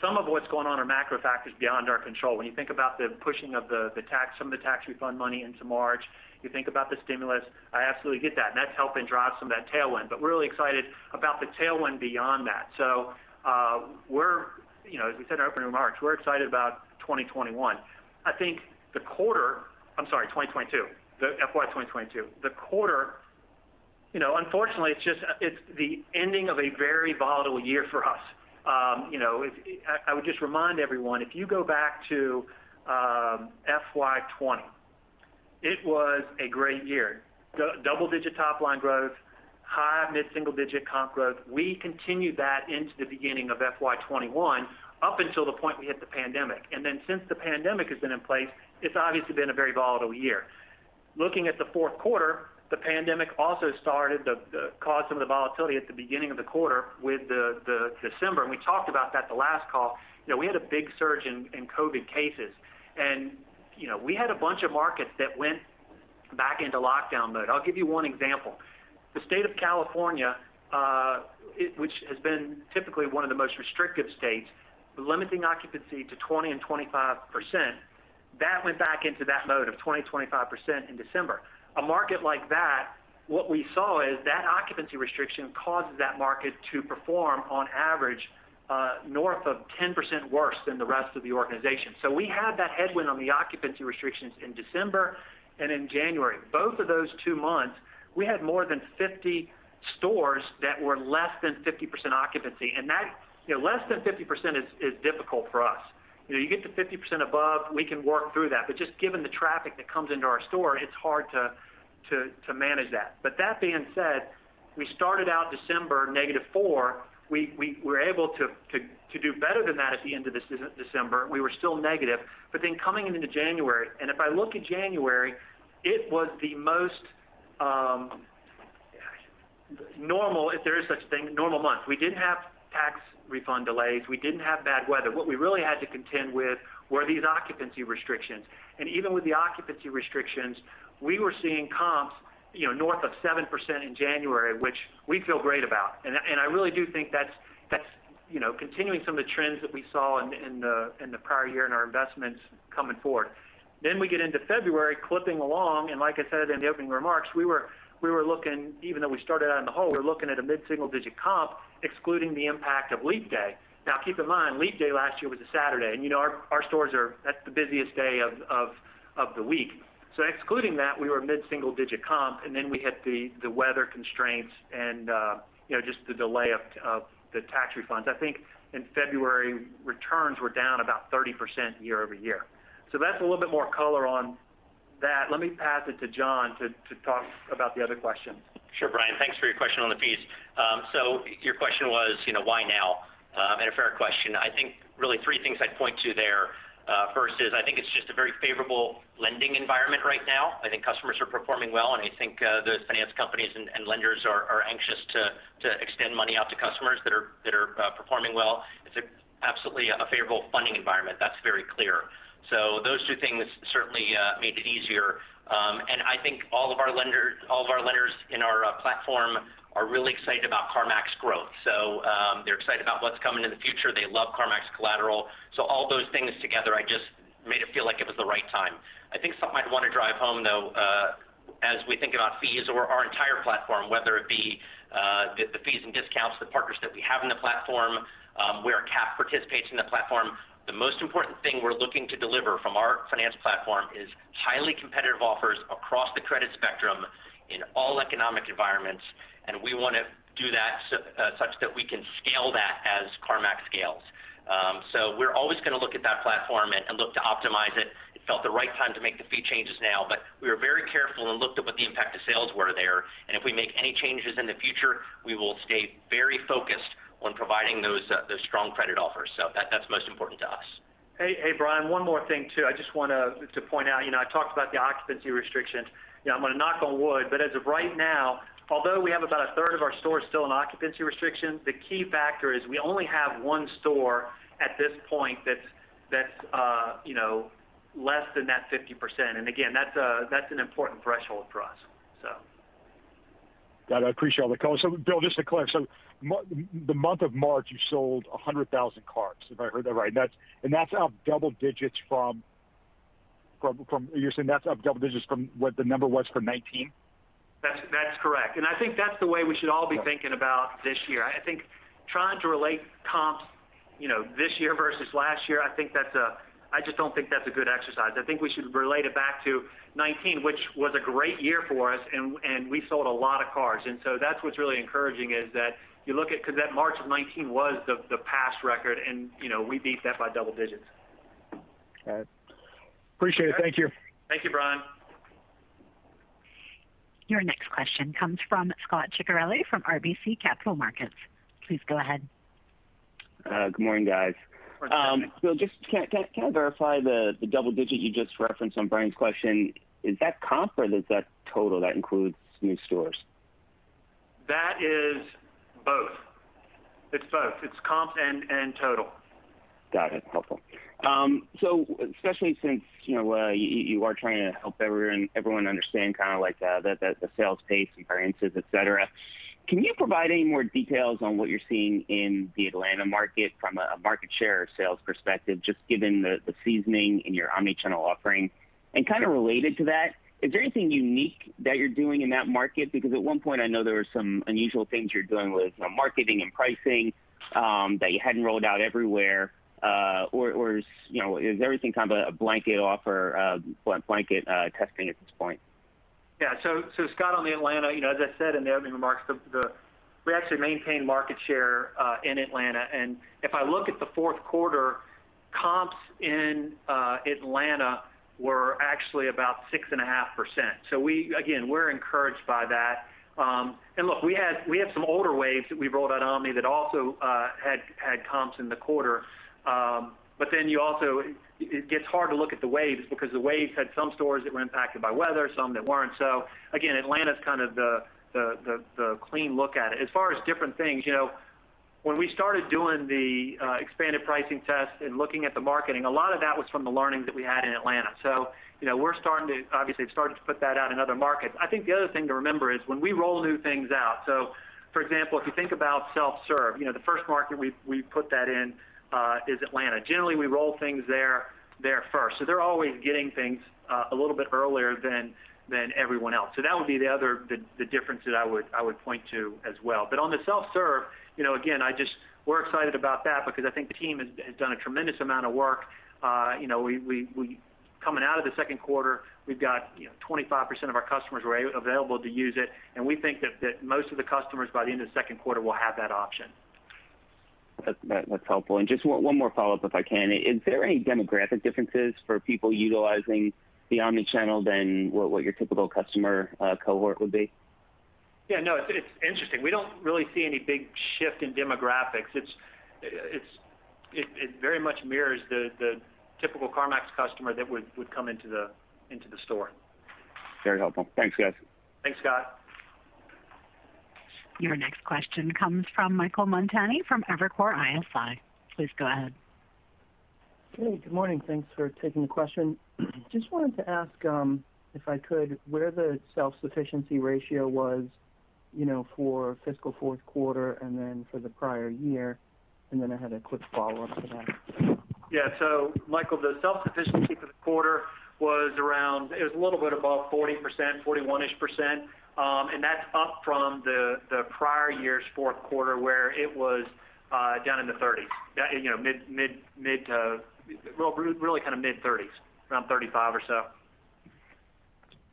S3: some of what's going on are macro factors beyond our control. When you think about the pushing of some of the tax refund money into March, you think about the stimulus. I absolutely get that, and that's helping drive some of that tailwind. We're really excited about the tailwind beyond that. As we said in our opening remarks, we're excited about 2021. I think the quarter, I'm sorry, 2022, the FY 2022. The quarter, unfortunately, it's the ending of a very volatile year for us. I would just remind everyone, if you go back to FY 2020, it was a great year. Double-digit top-line growth, high mid-single digit comp growth. We continued that into the beginning of FY 2021 up until the point we hit the pandemic. Since the pandemic has been in place, it's obviously been a very volatile year. Looking at the fourth quarter, the pandemic also started to cause some of the volatility at the beginning of the quarter with December, and we talked about that the last call. We had a big surge in COVID cases, and we had a bunch of markets that went back into lockdown mode. I'll give you one example. The state of California, which has been typically one of the most restrictive states, limiting occupancy to 20% and 25%, that went back into that mode of 20%, 25% in December. A market like that, what we saw is that occupancy restriction causes that market to perform, on average, north of 10% worse than the rest of the organization. We had that headwind on the occupancy restrictions in December and in January. Both of those two months, we had more than 50 stores that were less than 50% occupancy, and less than 50% is difficult for us. You get to 50% above, we can work through that. Just given the traffic that comes into our store, it's hard to manage that. That being said, we started out December -4%. We were able to do better than that at the end of December. We were still negative. Coming into January, and if I look at January, it was the most normal, if there is such a thing, month. We didn't have tax refund delays. We didn't have bad weather. What we really had to contend with were these occupancy restrictions. Even with the occupancy restrictions, we were seeing comps north of 7% in January, which we feel great about. I really do think that's continuing some of the trends that we saw in the prior year in our investments coming forward. We get into February clipping along, and like I said in the opening remarks, even though we started out in the hole, we were looking at a mid single-digit comp excluding the impact of Leap Day. Keep in mind, Leap Day last year was a Saturday, and our stores, that's the busiest day of the week. Excluding that, we were mid-single digit comp, and then we hit the weather constraints and just the delay of the tax refunds. I think in February, returns were down about 30% year-over-year. That's a little bit more color on that. Let me pass it to Jon to talk about the other question.
S5: Sure, Brian. Thanks for your question on the fees. Your question was, why now? A fair question. I think really three things I'd point to there. First is, I think it's just a very favorable lending environment right now. I think customers are performing well, and I think the finance companies and lenders are anxious to extend money out to customers that are performing well. It's absolutely a favorable funding environment. That's very clear. Those two things certainly made it easier. I think all of our lenders in our platform are really excited about CarMax growth. They're excited about what's coming in the future. They love CarMax collateral. All those things together, I just made it feel like it was the right time. I think something I'd want to drive home, though, as we think about fees or our entire platform, whether it be the fees and discounts, the partners that we have in the platform, where CAF participates in the platform. The most important thing we're looking to deliver from our finance platform is highly competitive offers across the credit spectrum in all economic environments. We want to do that such that we can scale that as CarMax scales. We're always going to look at that platform and look to optimize it. It felt the right time to make the fee changes now, but we were very careful and looked at what the impact to sales were there. If we make any changes in the future, we will stay very focused on providing those strong credit offers. That's most important to us.
S3: Hey, Brian, one more thing too. I just want to point out, I talked about the occupancy restrictions. I'm going to knock on wood, but as of right now, although we have about a third of our stores still in occupancy restrictions, the key factor is we only have one store at this point that's less than that 50%. Again, that's an important threshold for us, so.
S10: Got it. Appreciate all the color. Bill, just to clarify, the month of March you sold 100,000 cars, if I heard that right. That's up double digits from what the number was for 2019?
S3: That's correct. I think that's the way we should all be thinking about this year. I think trying to relate comps this year versus last year, I just don't think that's a good exercise. I think we should relate it back to 2019, which was a great year for us, and we sold a lot of cars. That's what's really encouraging, is that you look at, because that March of 2019 was the past record, and we beat that by double digits.
S10: Got it. Appreciate it. Thank you.
S3: Thank you, Brian.
S1: Your next question comes from Scot Ciccarelli from RBC Capital Markets. Please go ahead.
S11: Good morning, guys.
S3: Morning, Scot.
S11: Bill, just can I verify the double-digit you just referenced on Brian's question. Is that comp or is that total that includes new stores?
S3: That is both. It's both. It's comp and total.
S11: Got it. Helpful. Especially since you are trying to help everyone understand the sales pace variances, et cetera. Can you provide any more details on what you're seeing in the Atlanta market from a market share or sales perspective, just given the seasoning in your omni-channel offering? Kind of related to that, is there anything unique that you're doing in that market? Because at one point, I know there were some unusual things you were doing with marketing and pricing, that you hadn't rolled out everywhere. Is everything kind of a blanket offer, blanket testing at this point?
S3: Yeah. Scot, on the Atlanta, as I said in the opening remarks, we actually maintain market share in Atlanta. If I look at the fourth quarter, comps in Atlanta were actually about 6.5%. Again, we're encouraged by that. Look, we have some older waves that we've rolled out omni that also had comps in the quarter. It gets hard to look at the waves because the waves had some stores that were impacted by weather, some that weren't. Again, Atlanta's kind of the clean look at it. As far as different things, when we started doing the expanded pricing test and looking at the marketing, a lot of that was from the learnings that we had in Atlanta. Obviously we've started to put that out in other markets. I think the other thing to remember is when we roll new things out, for example, if you think about self-serve, the first market we put that in is Atlanta. Generally, we roll things there first. They're always getting things a little bit earlier than everyone else. That would be the other difference that I would point to as well. On the self-serve, again, we're excited about that because I think the team has done a tremendous amount of work. Coming out of the second quarter, we've got 25% of our customers were available to use it, and we think that most of the customers by the end of the second quarter will have that option.
S11: That's helpful. Just one more follow-up, if I can. Is there any demographic differences for people utilizing the omnichannel than what your typical customer cohort would be?
S3: Yeah, no, it's interesting. We don't really see any big shift in demographics. It very much mirrors the typical CarMax customer that would come into the store.
S11: Very helpful. Thanks, guys.
S3: Thanks, Scot.
S1: Your next question comes from Michael Montani from Evercore ISI. Please go ahead.
S12: Hey, good morning. Thanks for taking the question. Just wanted to ask, if I could, where the self-sufficiency ratio was for fiscal fourth quarter and then for the prior year, and then I had a quick follow-up to that.
S3: Yeah. Michael, the self-sufficiency for the quarter was a little bit above 40%, 41-ish%. That's up from the prior year's fourth quarter where it was down in the 30%s. Really kind of mid-30%s, around 35% or so.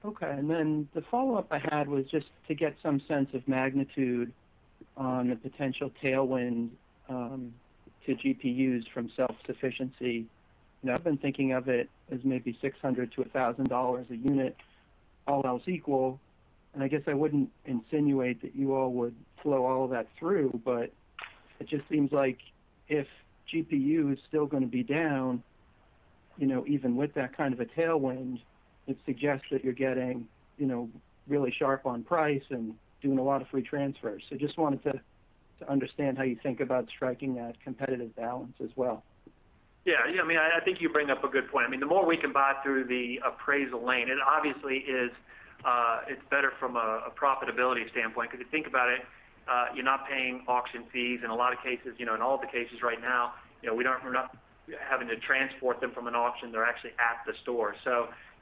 S12: The follow-up I had was just to get some sense of magnitude on the potential tailwind to GPUs from self-sufficiency. I've been thinking of it as maybe $600-$1,000 a unit, all else equal, and I guess I wouldn't insinuate that you all would flow all of that through, but it just seems like if GPU is still going to be down, even with that kind of a tailwind, it suggests that you're getting really sharp on price and doing a lot of free transfers. Just wanted to understand how you think about striking that competitive balance as well.
S3: Yeah. I think you bring up a good point. The more we can buy through the appraisal lane, it obviously is better from a profitability standpoint, because if you think about it, you're not paying auction fees in a lot of cases. In all of the cases right now, we're not having to transport them from an auction. They're actually at the store.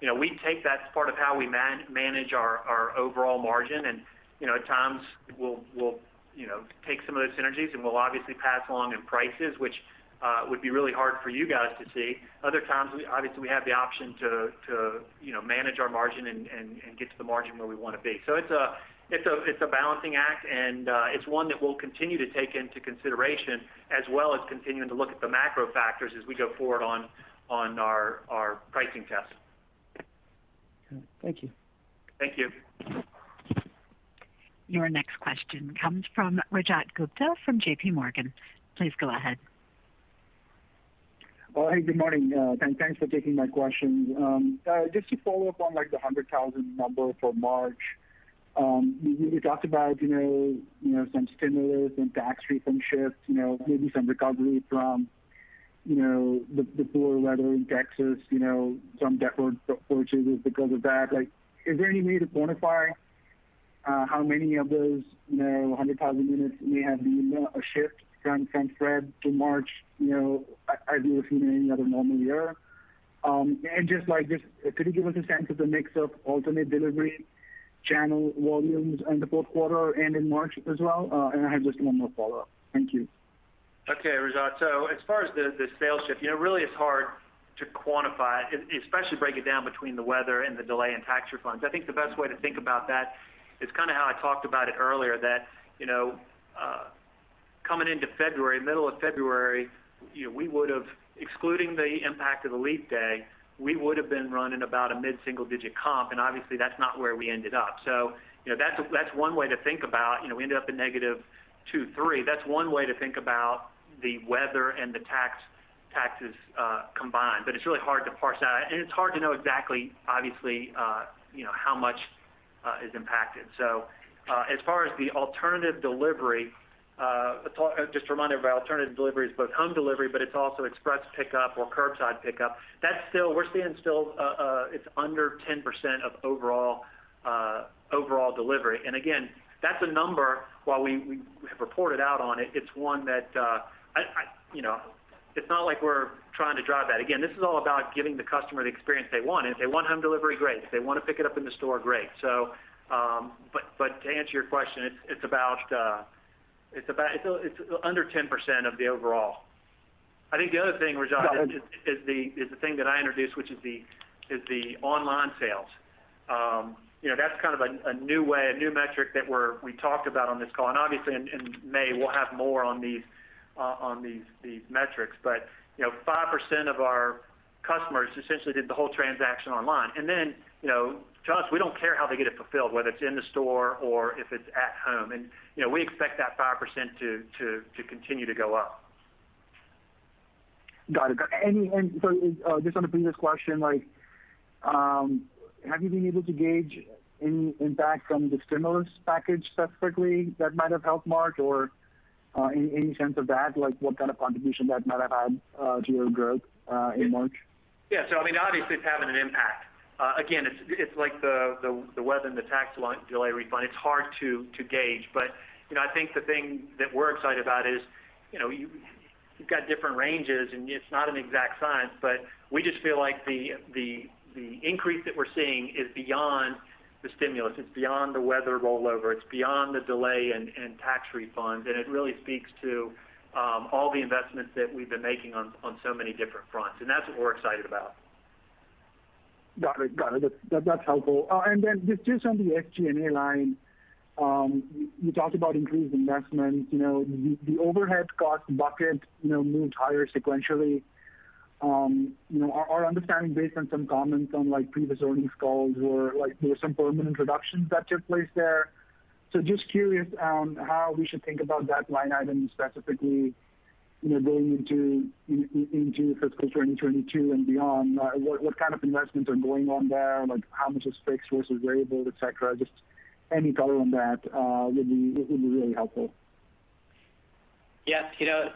S3: We take that as part of how we manage our overall margin. At times, we'll take some of those synergies, and we'll obviously pass along in prices, which would be really hard for you guys to see. Other times, obviously, we have the option to manage our margin and get to the margin where we want to be. It's a balancing act, and it's one that we'll continue to take into consideration, as well as continuing to look at the macro factors as we go forward on our pricing tests.
S12: Thank you.
S3: Thank you.
S1: Your next question comes from Rajat Gupta from JPMorgan. Please go ahead.
S13: Well, hey, good morning, and thanks for taking my question. Just to follow up on the 100,000 number for March. You talked about some stimulus and tax refund shifts, maybe some recovery from the poor weather in Texas, some deferred purchases because of that. Is there any way to quantify how many of those 100,000 units may have been a shift from Feb to March, as you would see in any other normal year? Just like this, could you give us a sense of the mix of alternate delivery channel volumes in the fourth quarter and in March as well? I have just one more follow-up. Thank you.
S3: Okay, Rajat. As far as the sales shift, really it's hard to quantify, especially break it down between the weather and the delay in tax refunds. I think the best way to think about that is kind of how I talked about it earlier, that coming into February, middle of February, excluding the impact of the leap day, we would've been running about a mid-single-digit comp, and obviously that's not where we ended up. That's one way to think about it. We ended up in negative two, three. That's one way to think about the weather and the taxes combined, but it's really hard to parse that out. It's hard to know exactly, obviously, how much is impacted. As far as the alternative delivery, just a reminder about alternative delivery is both home delivery, but it's also express pickup or curbside pickup. We're seeing still it's under 10% of overall delivery. Again, that's a number, while we have reported out on it's not like we're trying to drive that. Again, this is all about giving the customer the experience they want. If they want home delivery, great. If they want to pick it up in the store, great. To answer your question, it's under 10% of the overall. I think the other thing, Rajat.
S13: Got it.
S3: is the thing that I introduced, which is the online sales. That's kind of a new way, a new metric that we talked about on this call. Obviously, in May, we'll have more on these metrics. 5% of our customers essentially did the whole transaction online. To us, we don't care how they get it fulfilled, whether it's in the store or if it's at home. We expect that 5% to continue to go up.
S13: Got it. Just want to bring this question, have you been able to gauge any impact from the stimulus package, specifically that might have helped March? Any sense of that, like what kind of contribution that might have had to your growth in March?
S3: Yeah. Obviously, it's having an impact. Again, it's like the weather and the tax delay refund. It's hard to gauge. I think the thing that we're excited about is you've got different ranges, and it's not an exact science, but we just feel like the increase that we're seeing is beyond the stimulus. It's beyond the weather rollover. It's beyond the delay in tax refunds. It really speaks to all the investments that we've been making on so many different fronts. That's what we're excited about.
S13: Got it. That's helpful. Then just on the SG&A line, you talked about increased investment. The overhead cost bucket moved higher sequentially. Our understanding, based on some comments on previous earnings calls were there were some permanent reductions that took place there. So just curious on how we should think about that line item specifically going into fiscal 2022 and beyond. What kind of investments are going on there? How much is fixed versus variable, et cetera? Just any color on that would be really helpful.
S4: Yeah.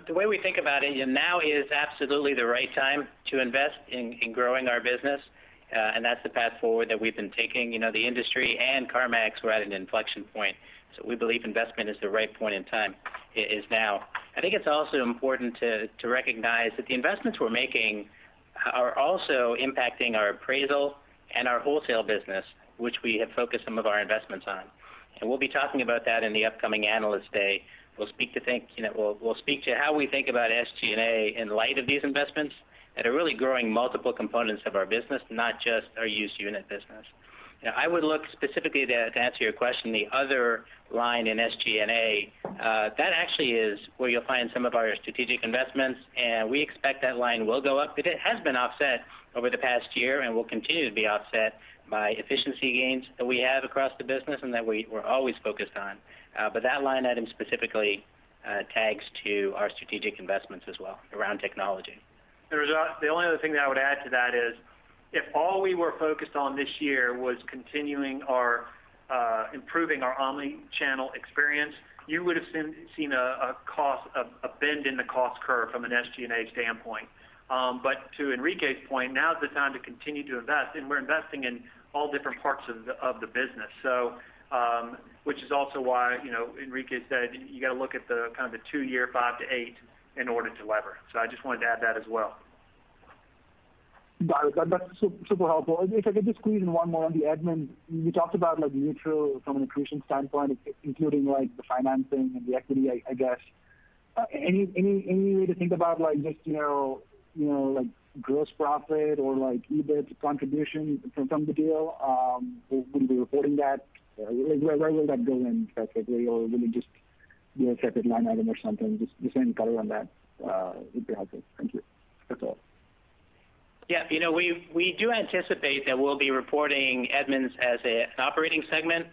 S4: The way we think about it, now is absolutely the right time to invest in growing our business. That's the path forward that we've been taking. The industry and CarMax, we're at an inflection point. We believe investment is the right point in time, is now. I think it's also important to recognize that the investments we're making are also impacting our appraisal and our wholesale business, which we have focused some of our investments on. We'll be talking about that in the upcoming Analyst Day. We'll speak to how we think about SG&A in light of these investments that are really growing multiple components of our business, not just our used unit business. I would look specifically, to answer your question, the other line in SG&A. That actually is where you'll find some of our strategic investments, and we expect that line will go up. It has been offset over the past year and will continue to be offset by efficiency gains that we have across the business and that we're always focused on. That line item specifically tags to our strategic investments as well around technology.
S3: Rajat, the only other thing that I would add to that is. If all we were focused on this year was continuing our improving our omni-channel experience, you would've seen a bend in the cost curve from an SG&A standpoint. To Enrique's point, now is the time to continue to invest, and we're investing in all different parts of the business. Which is also why, Enrique said you got to look at the kind of the two-year, five to eight in order to lever. I just wanted to add that as well.
S13: Got it. That's super helpful. If I could just squeeze in one more on the Edmunds. You talked about like neutral from an accretion standpoint, including like the financing and the equity, I guess. Any way to think about like just, like gross profit or like EBIT contribution from the deal? Will you be reporting that? Where will that go in specifically or will it just be a separate line item or something? Just any color on that would be helpful. Thank you. That's all.
S4: Yeah. We do anticipate that we'll be reporting Edmunds as an operating segment.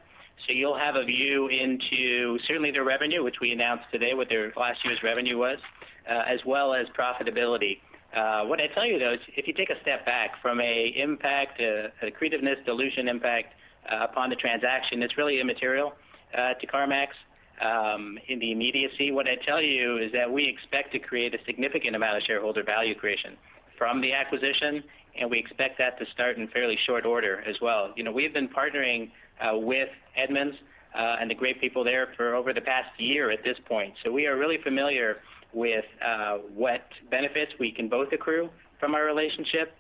S4: You'll have a view into certainly their revenue, which we announced today, what their last year's revenue was, as well as profitability. What I'd tell you though is, if you take a step back from a impact, accretiveness dilution impact, upon the transaction, it's really immaterial to CarMax. In the immediacy, what I'd tell you is that we expect to create a significant amount of shareholder value creation from the acquisition, and we expect that to start in fairly short order as well. We've been partnering with Edmunds, and the great people there for over the past year at this point. We are really familiar with what benefits we can both accrue from our relationship.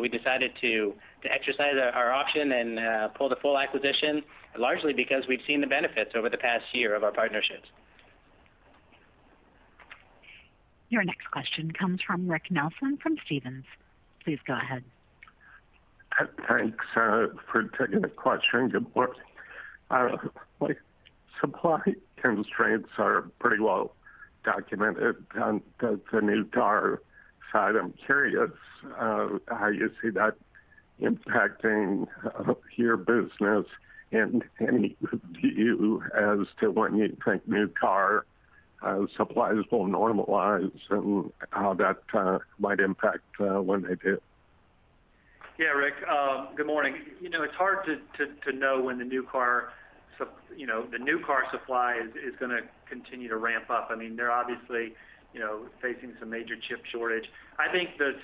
S4: We decided to exercise our option and pull the full acquisition largely because we've seen the benefits over the past year of our partnerships.
S1: Your next question comes from Rick Nelson from Stephens. Please go ahead.
S14: Thanks, for taking the question. Good work. Supply constraints are pretty well documented on the new car side. I'm curious how you see that impacting your business and any view as to when you think new car supplies will normalize and how that might impact when they do.
S3: Yeah, Rick. Good morning. It's hard to know when the new car supply is going to continue to ramp up. They're obviously facing some major chip shortage. I think the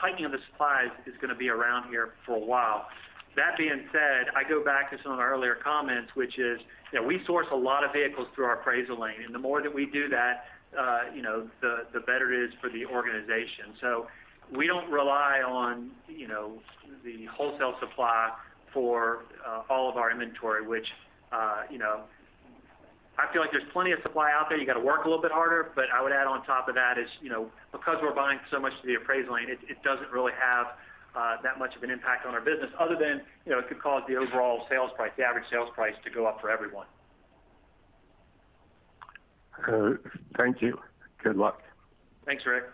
S3: tightening of the supplies is going to be around here for a while. That being said, I go back to some of my earlier comments, which is, we source a lot of vehicles through our appraisal lane. The more that we do that the better it is for the organization. We don't rely on the wholesale supply for all of our inventory, which I feel like there's plenty of supply out there. You got to work a little bit harder. I would add on top of that, because we're buying so much through the appraisal lane, it doesn't really have that much of an impact on our business other than it could cause the overall sales price, the average sales price to go up for everyone.
S14: Thank you. Good luck.
S3: Thanks, Rick.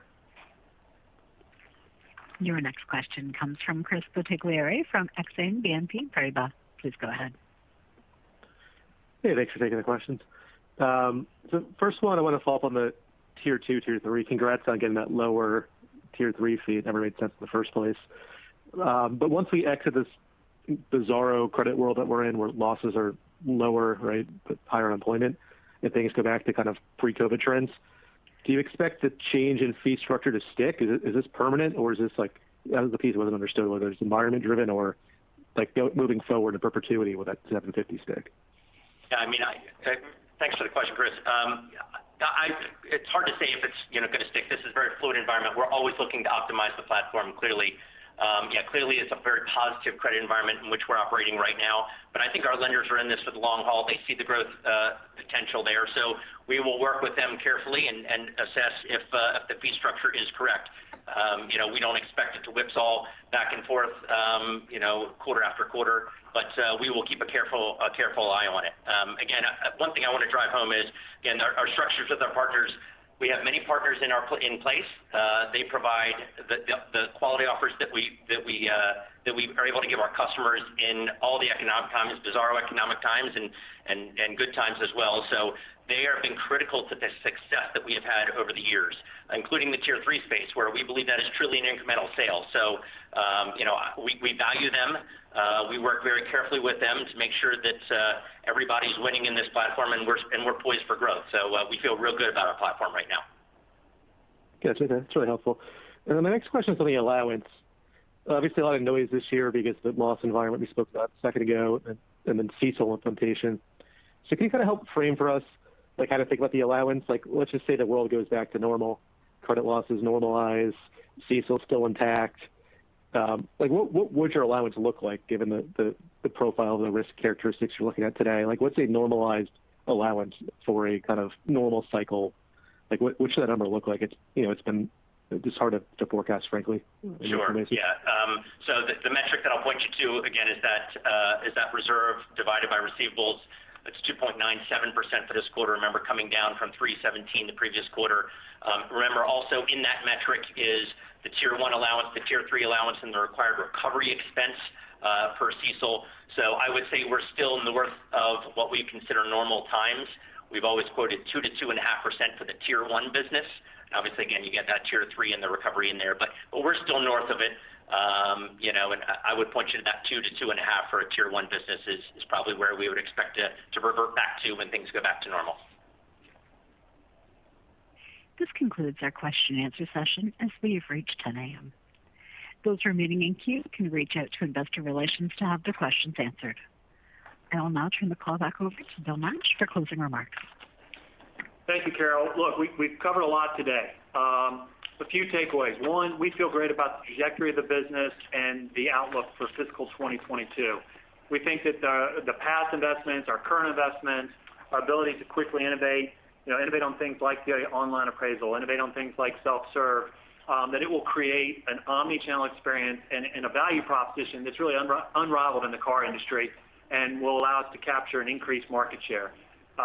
S1: Your next question comes from Chris Bottiglieri from Exane BNP Paribas. Please go ahead.
S15: Hey, thanks for taking the questions. First one, I want to follow up on the Tier 2, Tier 3. Congrats on getting that lower Tier 3 fee. It never made sense in the first place. Once we exit this bizarro credit world that we're in where losses are lower, right, but higher unemployment, if things go back to kind of pre-COVID trends, do you expect the change in fee structure to stick? Is this permanent or is this like, the piece wasn't understood, whether it's environment driven or like moving forward in perpetuity, will that $750 stick?
S5: Yeah. Thanks for the question, Chris. It's hard to say if it's going to stick. This is a very fluid environment. We're always looking to optimize the platform clearly. Yeah, clearly it's a very positive credit environment in which we're operating right now. I think our lenders are in this for the long haul. They see the growth potential there. We will work with them carefully and assess if the fee structure is correct. We don't expect it to whipsaw back and forth quarter after quarter. We will keep a careful eye on it. Again, one thing I want to drive home is, again, our structures with our partners. We have many partners in place. They provide the quality offers that we are able to give our customers in all the economic times, bizarro economic times and good times as well. They have been critical to the success that we have had over the years, including the Tier 3 space where we believe that is truly an incremental sale. We value them. We work very carefully with them to make sure that everybody's winning in this platform and we're poised for growth. We feel real good about our platform right now.
S15: Gotcha. That's really helpful. My next question is on the allowance. Obviously a lot of noise this year because the loss environment we spoke about a second ago and then CECL implementation. Can you kind of help frame for us, like how to think about the allowance? Like let's just say the world goes back to normal, credit losses normalize, CECL's still intact. Like what would your allowance look like given the profile of the risk characteristics you're looking at today? Like what's a normalized allowance for a kind of normal cycle? Like what should that number look like? It's hard to forecast, frankly.
S5: Sure. Yeah. The metric that I'll point you to again is that reserve divided by receivables. It's 2.97% for this quarter, remember coming down from 3.17% the previous quarter. Remember also in that metric is the Tier 1 allowance, the Tier 3 allowance, and the required recovery expense for CECL. I would say we're still in the worth of what we consider normal times. We've always quoted 2%-2.5% for the Tier 1 business. Obviously, again, you get that Tier 3 and the recovery in there, but we're still north of it. I would point you to that 2%-2.5% for a Tier 1 business is probably where we would expect to revert back to when things go back to normal.
S1: This concludes our question-and-answer session as we have reached 10:00 A.M. Those remaining in queue can reach out to investor relations to have their questions answered. I will now turn the call back over to Bill Nash for closing remarks.
S3: Thank you, Carol. Look, we've covered a lot today. A few takeaways. One, we feel great about the trajectory of the business and the outlook for fiscal 2022. We think that the past investments, our current investments, our ability to quickly innovate on things like the online appraisal, innovate on things like self-serve, that it will create an omnichannel experience and a value proposition that's really unrivaled in the car industry and will allow us to capture an increased market share.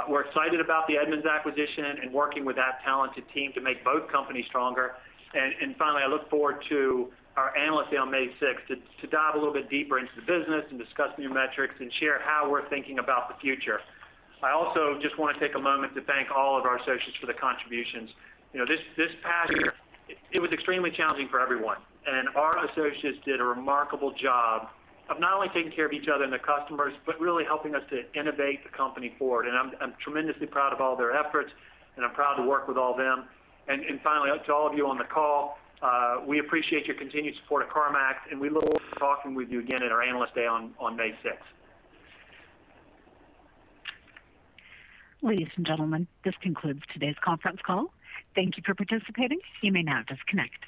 S3: We're excited about the Edmunds acquisition and working with that talented team to make both companies stronger. Finally, I look forward to our Analyst Day on May 6th to dive a little bit deeper into the business and discuss new metrics and share how we're thinking about the future. I also just want to take a moment to thank all of our associates for their contributions. This past year, it was extremely challenging for everyone, and our associates did a remarkable job of not only taking care of each other and the customers but really helping us to innovate the company forward. I'm tremendously proud of all their efforts, and I'm proud to work with all of them. Finally, to all of you on the call, we appreciate your continued support of CarMax, and we look forward to talking with you again at our Analyst Day on May 6th.
S1: Ladies and gentlemen, this concludes today's conference call. Thank you for participating. You may now disconnect.